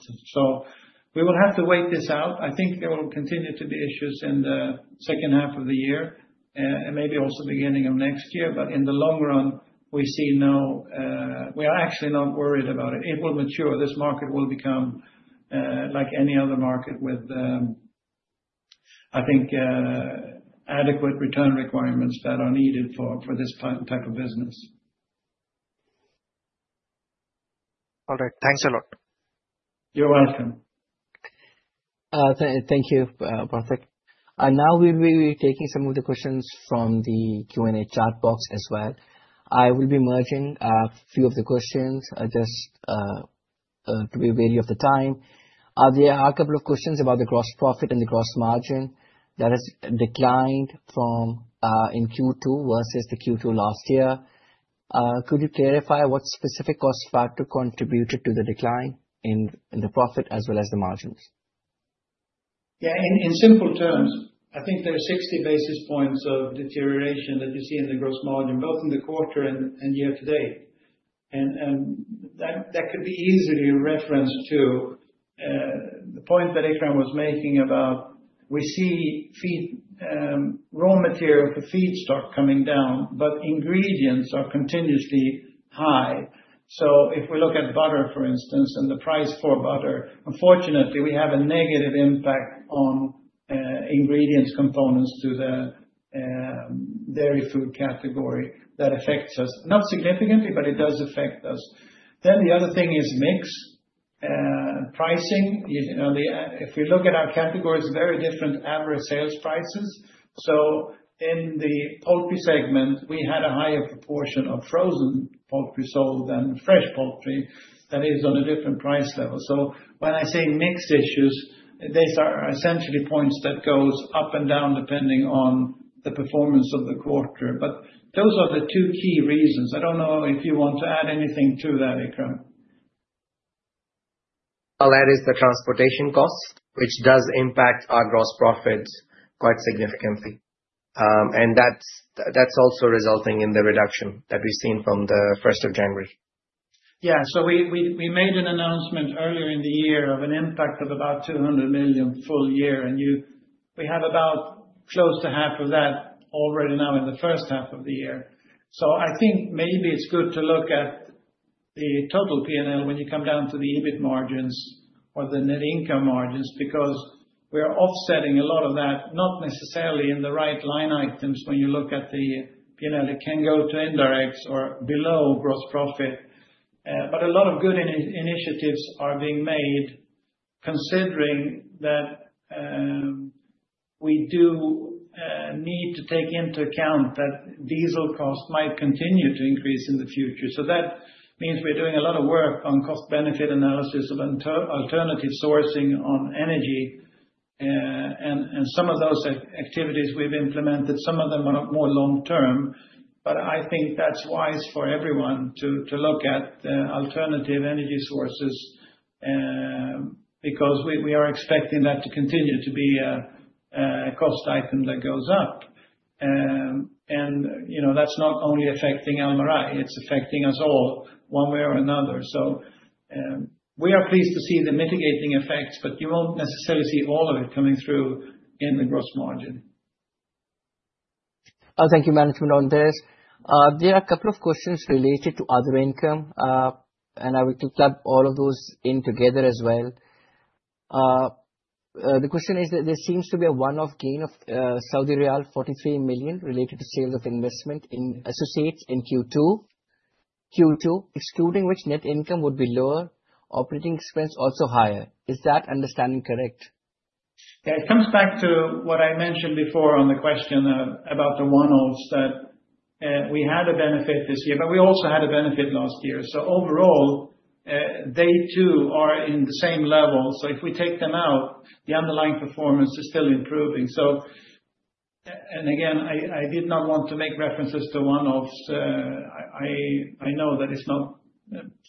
We will have to wait this out. I think there will continue to be issues in the second half of the year and maybe also beginning of next year. In the long run, we see now we are actually not worried about it. It will mature. This market will become, like any other market, with, I think, adequate return requirements that are needed for this type of business. All right. Thanks a lot. You're welcome. Thank you, Patrick. Now we'll be taking some of the questions from the Q&A chat box as well. I will be merging a few of the questions just to be wary of the time. There are a couple of questions about the gross profit and the gross margin that has declined from in Q2 versus Q2 last year. Could you clarify what specific cost factor contributed to the decline in the profit as well as the margins? Yeah. In simple terms, I think there are 60 basis points of deterioration that you see in the gross margin, both in the quarter and year to date. That could be easily a reference to the point that Ikram was making about we see raw material for feed stock coming down, but ingredients are continuously high. If we look at butter, for instance, and the price for butter, unfortunately, we have a negative impact on ingredients components to the dairy food category that affects us. Not significantly, but it does affect us. The other thing is mix. Pricing. If we look at our categories, very different average sales prices. In the poultry segment, we had a higher proportion of frozen poultry sold than fresh poultry that is on a different price level. When I say mix issues, these are essentially points that go up and down depending on the performance of the quarter. Those are the two key reasons. I do not know if you want to add anything to that, Ikram. That is the transportation cost, which does impact our gross profit quite significantly. That is also resulting in the reduction that we have seen from the 1st of January. We made an announcement earlier in the year of an impact of about 200 million full year. We have about close to half of that already now in the first half of the year. I think maybe it is good to look at the total P&L when you come down to the EBIT margins or the net income margins because we are offsetting a lot of that, not necessarily in the right line items when you look at the P&L. It can go to indirects or below gross profit. A lot of good initiatives are being made, considering that, we do need to take into account that diesel costs might continue to increase in the future. That means we are doing a lot of work on cost-benefit analysis of alternative sourcing on energy. Some of those activities we have implemented, some of them are more long-term. I think it is wise for everyone to look at alternative energy sources because we are expecting that to continue to be a cost item that goes up. That is not only affecting Almarai. It's affecting us all one way or another. We are pleased to see the mitigating effects, but you won't necessarily see all of it coming through in the gross margin. Thank you, management, on this. There are a couple of questions related to other income. I will clap all of those in together as well. The question is that there seems to be a one-off gain of Saudi riyal 43 million related to sales of investment in associates in Q2, excluding which net income would be lower, operating expense also higher. Is that understanding correct? Yeah. It comes back to what I mentioned before on the question about the one-offs. We had a benefit this year, but we also had a benefit last year. Overall, they too are in the same level. If we take them out, the underlying performance is still improving. I did not want to make references to one-offs. I know that it is not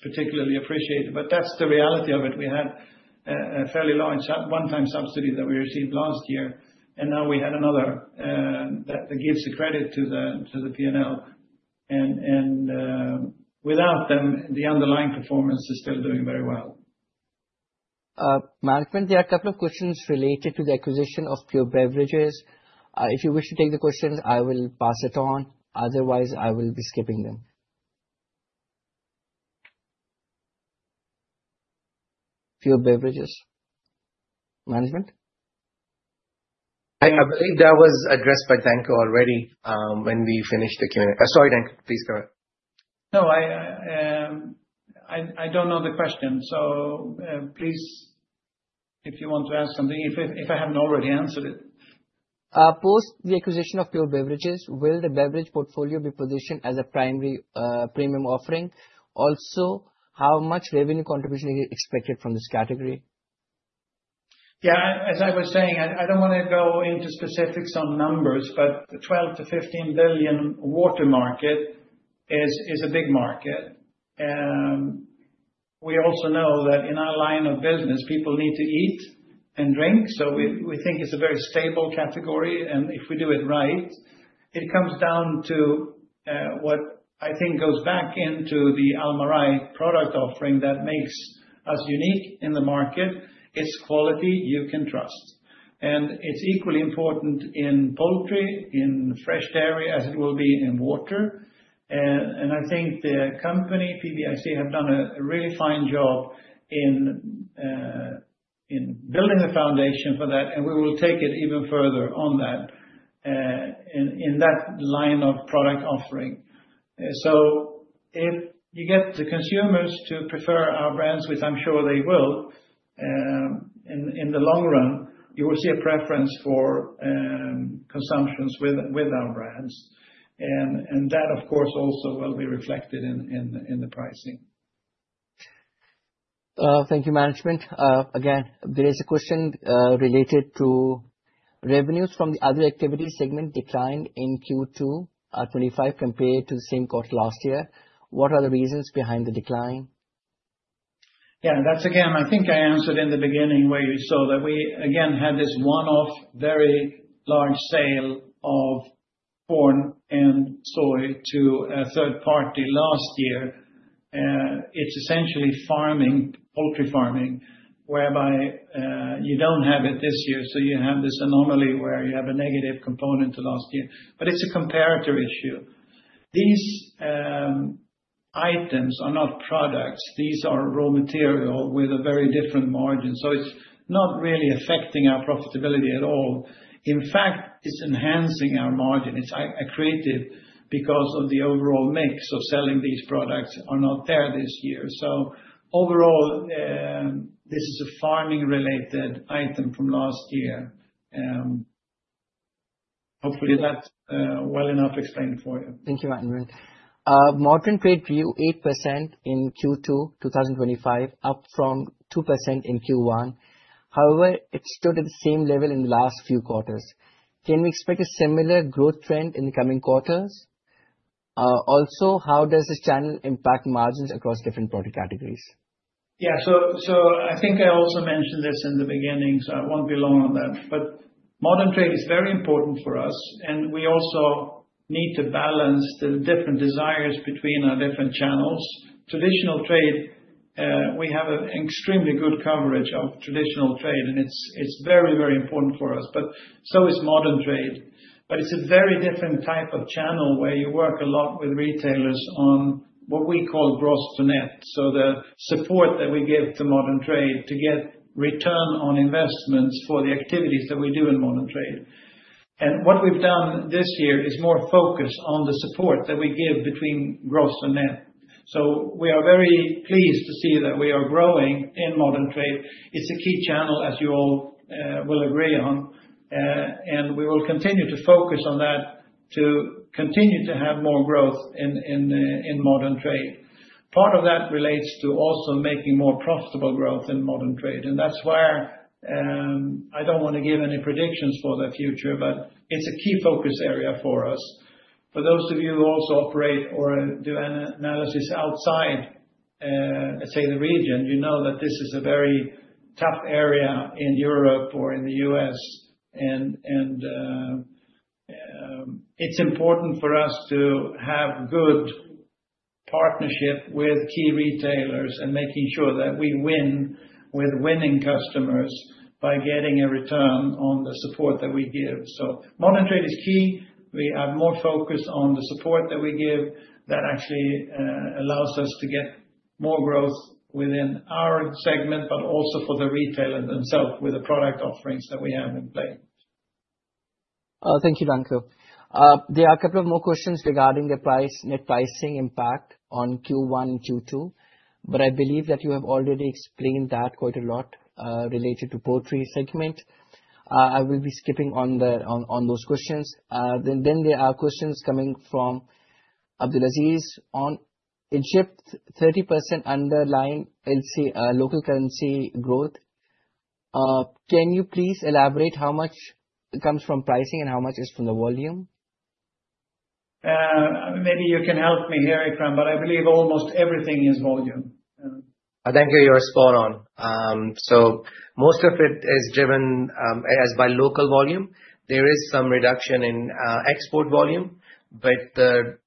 particularly appreciated, but that is the reality of it. We had a fairly low one-time subsidy that we received last year. Now we had another that gives the credit to the P&L. Without them, the underlying performance is still doing very well. Management, there are a couple of questions related to the acquisition of Pure Beverages. If you wish to take the questions, I will pass it on. Otherwise, I will be skipping them. Pure Beverage Industry Co. management? I believe that was addressed by Danko already when we finished the Q&A. Sorry, Danko. Please go ahead. No, I do not know the question. Please, if you want to ask something, if I have not already answered it. Post the acquisition of Pure Beverages, will the beverage portfolio be positioned as a primary premium offering? Also, how much revenue contribution is expected from this category? Yeah. As I was saying, I do not want to go into specifics on numbers, but the 12 billion-15 billion water market is a big market. We also know that in our line of business, people need to eat and drink. We think it is a very stable category. If we do it right, it comes down to what I think goes back into the Almarai product offering that makes us unique in the market. It is quality you can trust. It is equally important in poultry, in fresh dairy, as it will be in water. I think the company, PBIC, have done a really fine job in building the foundation for that. We will take it even further on that, in that line of product offering. If you get the consumers to prefer our brands, which I'm sure they will, in the long run you will see a preference for consumptions with our brands. That, of course, also will be reflected in the pricing. Thank you, management. Again, there is a question related to revenues from the other activity segment declined in Q2 at 25% compared to the same cost last year. What are the reasons behind the decline? Yeah, and that's, again, I think I answered in the beginning where you saw that we, again, had this one-off very large sale of corn and soy to a third party last year. It's essentially poultry farming, whereby you don't have it this year. You have this anomaly where you have a negative component to last year, but it's a comparator issue. These items are not products. These are raw material with a very different margin. So it's not really affecting our profitability at all. In fact, it's enhancing our margin. It's accretive because of the overall mix of selling these products are not there this year. So overall. This is a farming-related item from last year. Hopefully, that's well enough explained for you. Thank you, management. Modern trade grew 8% in Q2 2025, up from 2% in Q1. However, it stood at the same level in the last few quarters. Can we expect a similar growth trend in the coming quarters? Also, how does this channel impact margins across different product categories? Yeah. So I think I also mentioned this in the beginning, so I won't be long on that. But modern trade is very important for us. And we also need to balance the different desires between our different channels. Traditional trade, we have an extremely good coverage of traditional trade. It is very, very important for us. It is also important for us to focus on modern trade. It is a very different type of channel where you work a lot with retailers on what we call gross to net. The support that we give to modern trade is to get return on investments for the activities that we do in modern trade. What we have done this year is more focus on the support that we give between gross and net. We are very pleased to see that we are growing in modern trade. It is a key channel, as you all will agree on. We will continue to focus on that to continue to have more growth in modern trade. Part of that relates to also making more profitable growth in modern trade. That is where I don't want to give any predictions for the future, but it's a key focus area for us. For those of you who also operate or do analysis outside, let's say, the region, you know that this is a very tough area in Europe or in the U.S. It's important for us to have good partnership with key retailers and making sure that we win with winning customers by getting a return on the support that we give. Modern trade is key. We have more focus on the support that we give that actually allows us to get more growth within our segment, but also for the retailer themselves with the product offerings that we have in place. Thank you, Danko. There are a couple of more questions regarding the net pricing impact on Q1 and Q2. I believe that you have already explained that quite a lot related to poultry segment. I will be skipping on those questions. There are questions coming from Abdulaziz on Egypt, 30% underlying local currency growth. Can you please elaborate how much comes from pricing and how much is from the volume? Maybe you can help me here, Ikram, but I believe almost everything is volume. I think you're spot on. Most of it is driven by local volume. There is some reduction in export volume, but the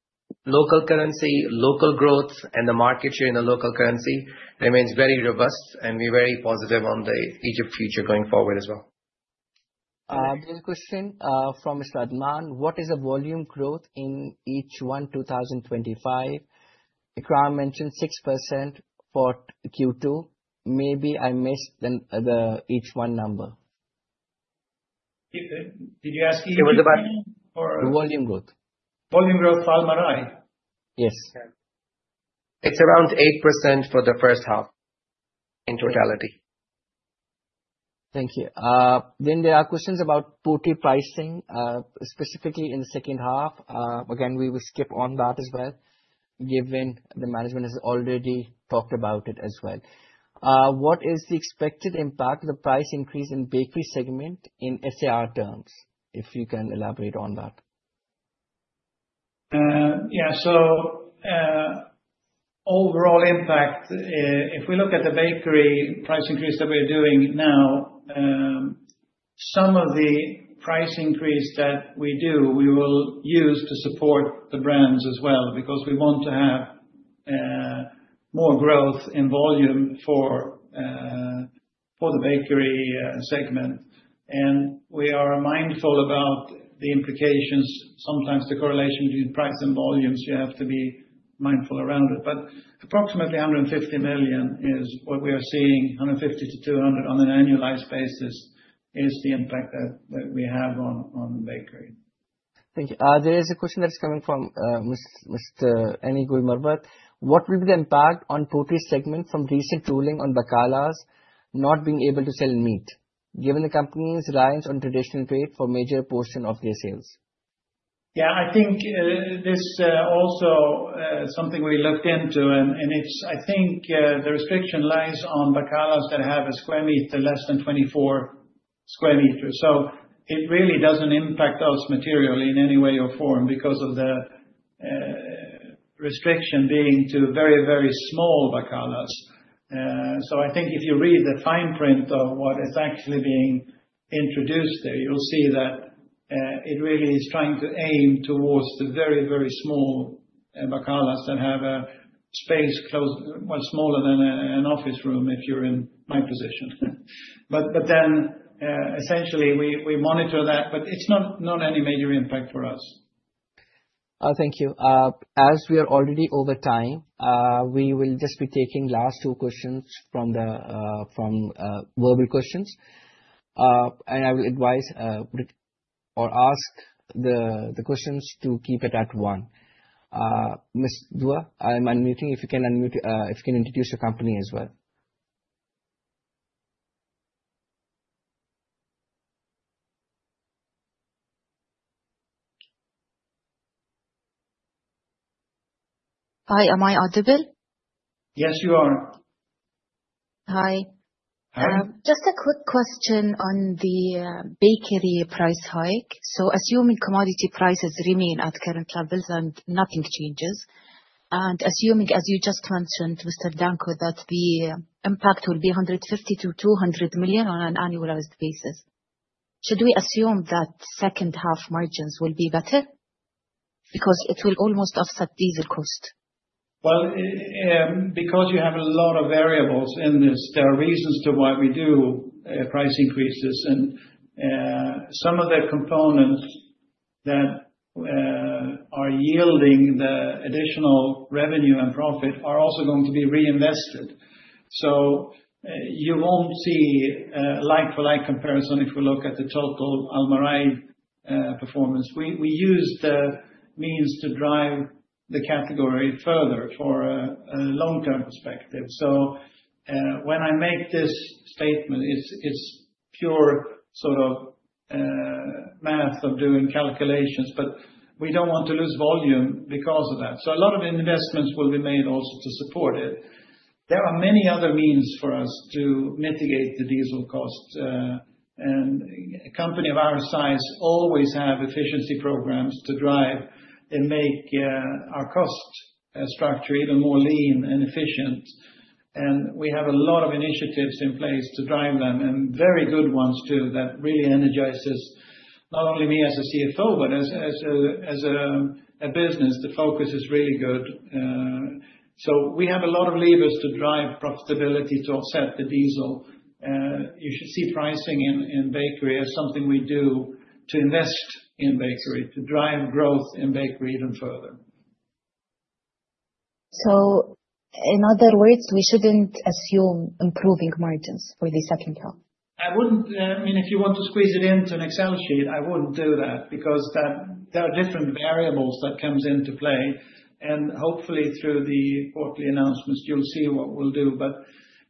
local currency, local growth, and the market share in the local currency remains very robust. We are very positive on the Egypt future going forward as well. There is a question from Mr. Adman. What is the volume growth in H1 2025? Ikram mentioned 6% for Q2. Maybe I missed the H1 number. Did you ask him? It was about. Volume growth. Volume growth for Almarai? Yes. It is around 8% for the first half. In totality. Thank you. There are questions about poultry pricing, specifically in the second half. Again, we will skip on that as well, given the management has already talked about it as well. What is the expected impact, the price increase in bakery segment in SAR terms? If you can elaborate on that. Yeah. Overall impact, if we look at the bakery price increase that we are doing now. Some of the price increase that we do, we will use to support the brands as well because we want to have more growth in volume for the bakery segment. We are mindful about the implications, sometimes the correlation between price and volumes. You have to be mindful around it. Approximately 150 million is what we are seeing, 150 million-200 million on an annualized basis is the impact that we have on bakery. Thank you. There is a question that is coming from Mr. Anigul Marbat. What will be the impact on poultry segment from recent ruling on baqalas not being able to sell meat, given the company's reliance on traditional trade for a major portion of their sales? Yeah. I think this is also something we looked into. I think the restriction lies on baqalas that have a square meter less than 24 sqm. It really does not impact us materially in any way or form because of the restriction being to very, very small baqalas. If you read the fine print of what is actually being introduced there, you will see that it really is trying to aim towards the very, very small. Baqalas that have a space smaller than an office room if you're in my position. But then, essentially, we monitor that. But it's not any major impact for us. Thank you. As we are already over time, we will just be taking last two questions from verbal questions. And I will advise or ask the questions to keep it at one. Ms. Dua, I'm unmuting. If you can unmute, if you can introduce your company as well. Hi. Am I audible? Yes, you are. Hi. Just a quick question on the bakery price hike. So assuming commodity prices remain at current levels and nothing changes, and assuming, as you just mentioned, Mr. Danko, that the impact will be 150 million-200 million on an annualized basis, should we assume that second-half margins will be better? Because it will almost offset diesel cost. Because you have a lot of variables in this, there are reasons to why we do price increases. Some of the components that are yielding the additional revenue and profit are also going to be reinvested. You will not see a like-for-like comparison if we look at the total Almarai performance. We use the means to drive the category further for a long-term perspective. When I make this statement, it is pure sort of math of doing calculations. We do not want to lose volume because of that. A lot of investments will be made also to support it. There are many other means for us to mitigate the diesel cost. A company of our size always has efficiency programs to drive and make our cost structure even more lean and efficient. We have a lot of initiatives in place to drive them, and very good ones too, that really energizes not only me as a CFO, but as a business. The focus is really good. We have a lot of levers to drive profitability to offset the diesel. You should see pricing in bakery as something we do to invest in bakery, to drive growth in bakery even further. In other words, we should not assume improving margins for the second half? I would not. I mean, if you want to squeeze it into an Excel sheet, I would not do that because there are different variables that come into play. Hopefully, through the quarterly announcements, you will see what we will do.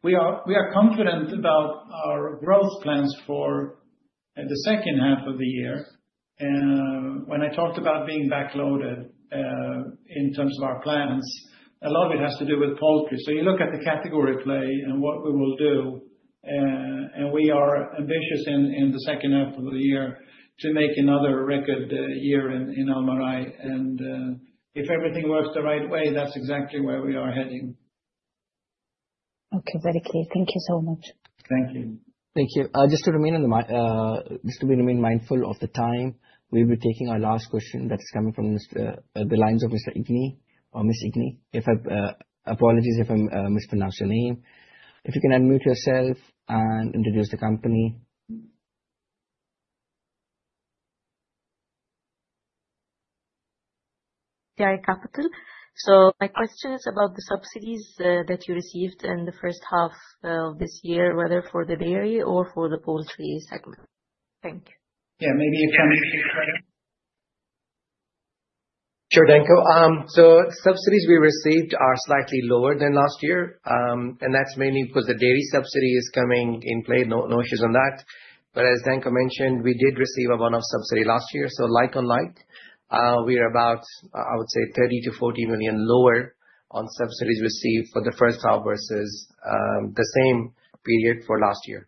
We are confident about our growth plans for the second half of the year. When I talked about being backloaded. In terms of our plans, a lot of it has to do with poultry. You look at the category play and what we will do. We are ambitious in the second half of the year to make another record year in Almarai. If everything works the right way, that's exactly where we are heading. Okay. Very clear. Thank you so much. Thank you. Thank you. Just to remain mindful of the time, we'll be taking our last question that is coming from the lines of Mr. Igney or Ms. Igney. Apologies if I mispronounce your name. If you can unmute yourself and introduce the company. Jai Capital. My question is about the subsidies that you received in the first half of this year, whether for the dairy or for the poultry segment. Thank you. Yeah. Maybe Ikram. Sure, Danko. Subsidies we received are slightly lower than last year. That is mainly because the dairy subsidy is coming in play. No issues on that. As Danko mentioned, we did receive a one-off subsidy last year. Like on like, we are about, I would say, 30 million-40 million lower on subsidies received for the first half versus the same period for last year.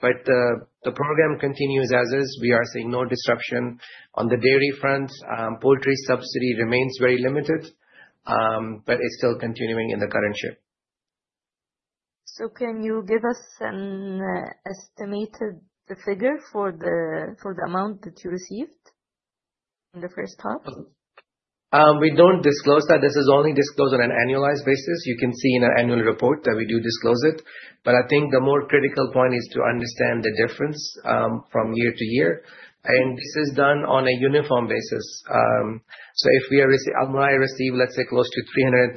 The program continues as is. We are seeing no disruption on the dairy front. Poultry subsidy remains very limited. It is still continuing in the current year. Can you give us an estimated figure for the amount that you received in the first half? We do not disclose that. This is only disclosed on an annualized basis. You can see in our annual report that we do disclose it. I think the more critical point is to understand the difference from year to year. This is done on a uniform basis. If we are receiving Almarai, let's say, close to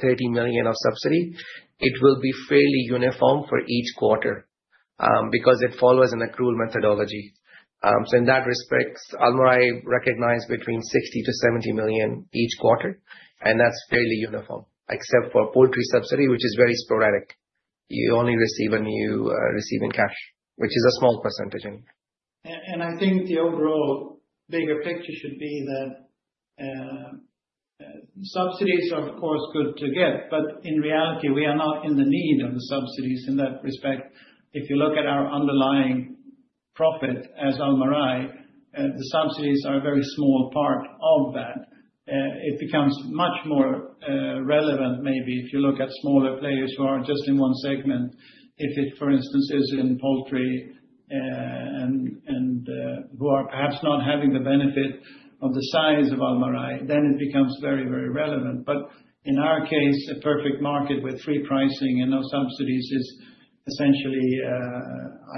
330 million of subsidy, it will be fairly uniform for each quarter because it follows an accrual methodology. In that respect, Almarai recognized between 60 million-70 million each quarter. That is fairly uniform, except for poultry subsidy, which is very sporadic. You only receive when you receive in cash, which is a small percentage only. I think the overall bigger picture should be that subsidies are, of course, good to get. In reality, we are not in the need of the subsidies in that respect. If you look at our underlying profit as Almarai, the subsidies are a very small part of that. It becomes much more relevant, maybe, if you look at smaller players who are just in one segment. If it, for instance, is in poultry and who are perhaps not having the benefit of the size of Almarai, then it becomes very, very relevant. In our case, a perfect market with free pricing and no subsidies is essentially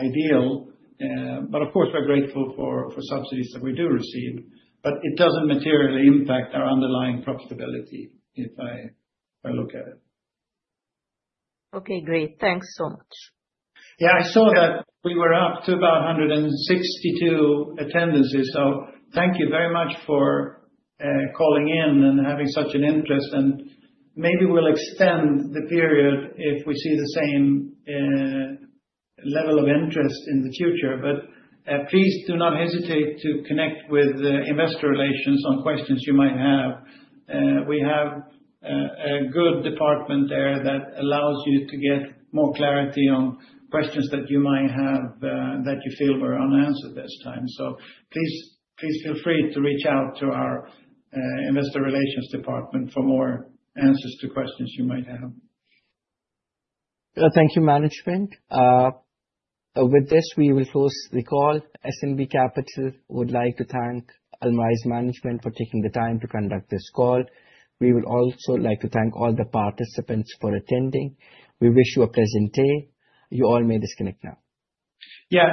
ideal. Of course, we are grateful for subsidies that we do receive. It does not materially impact our underlying profitability if I look at it. Okay. Great. Thanks so much. Yeah. I saw that we were up to about 162 attendances. Thank you very much for calling in and having such an interest. Maybe we will extend the period if we see the same level of interest in the future. Please do not hesitate to connect with investor relations on questions you might have. We have a good department there that allows you to get more clarity on questions that you might have that you feel were unanswered this time. Please feel free to reach out to our investor relations department for more answers to questions you might have. Thank you, management. With this, we will close the call. SMB Capital would like to thank Almarai's management for taking the time to conduct this call. We would also like to thank all the participants for attending. We wish you a pleasant day. You all may disconnect now. Yeah.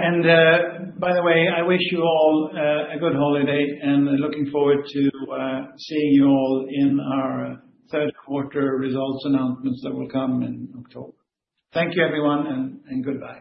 By the way, I wish you all a good holiday and looking forward to seeing you all in our third-quarter results announcements that will come in October. Thank you, everyone, and goodbye.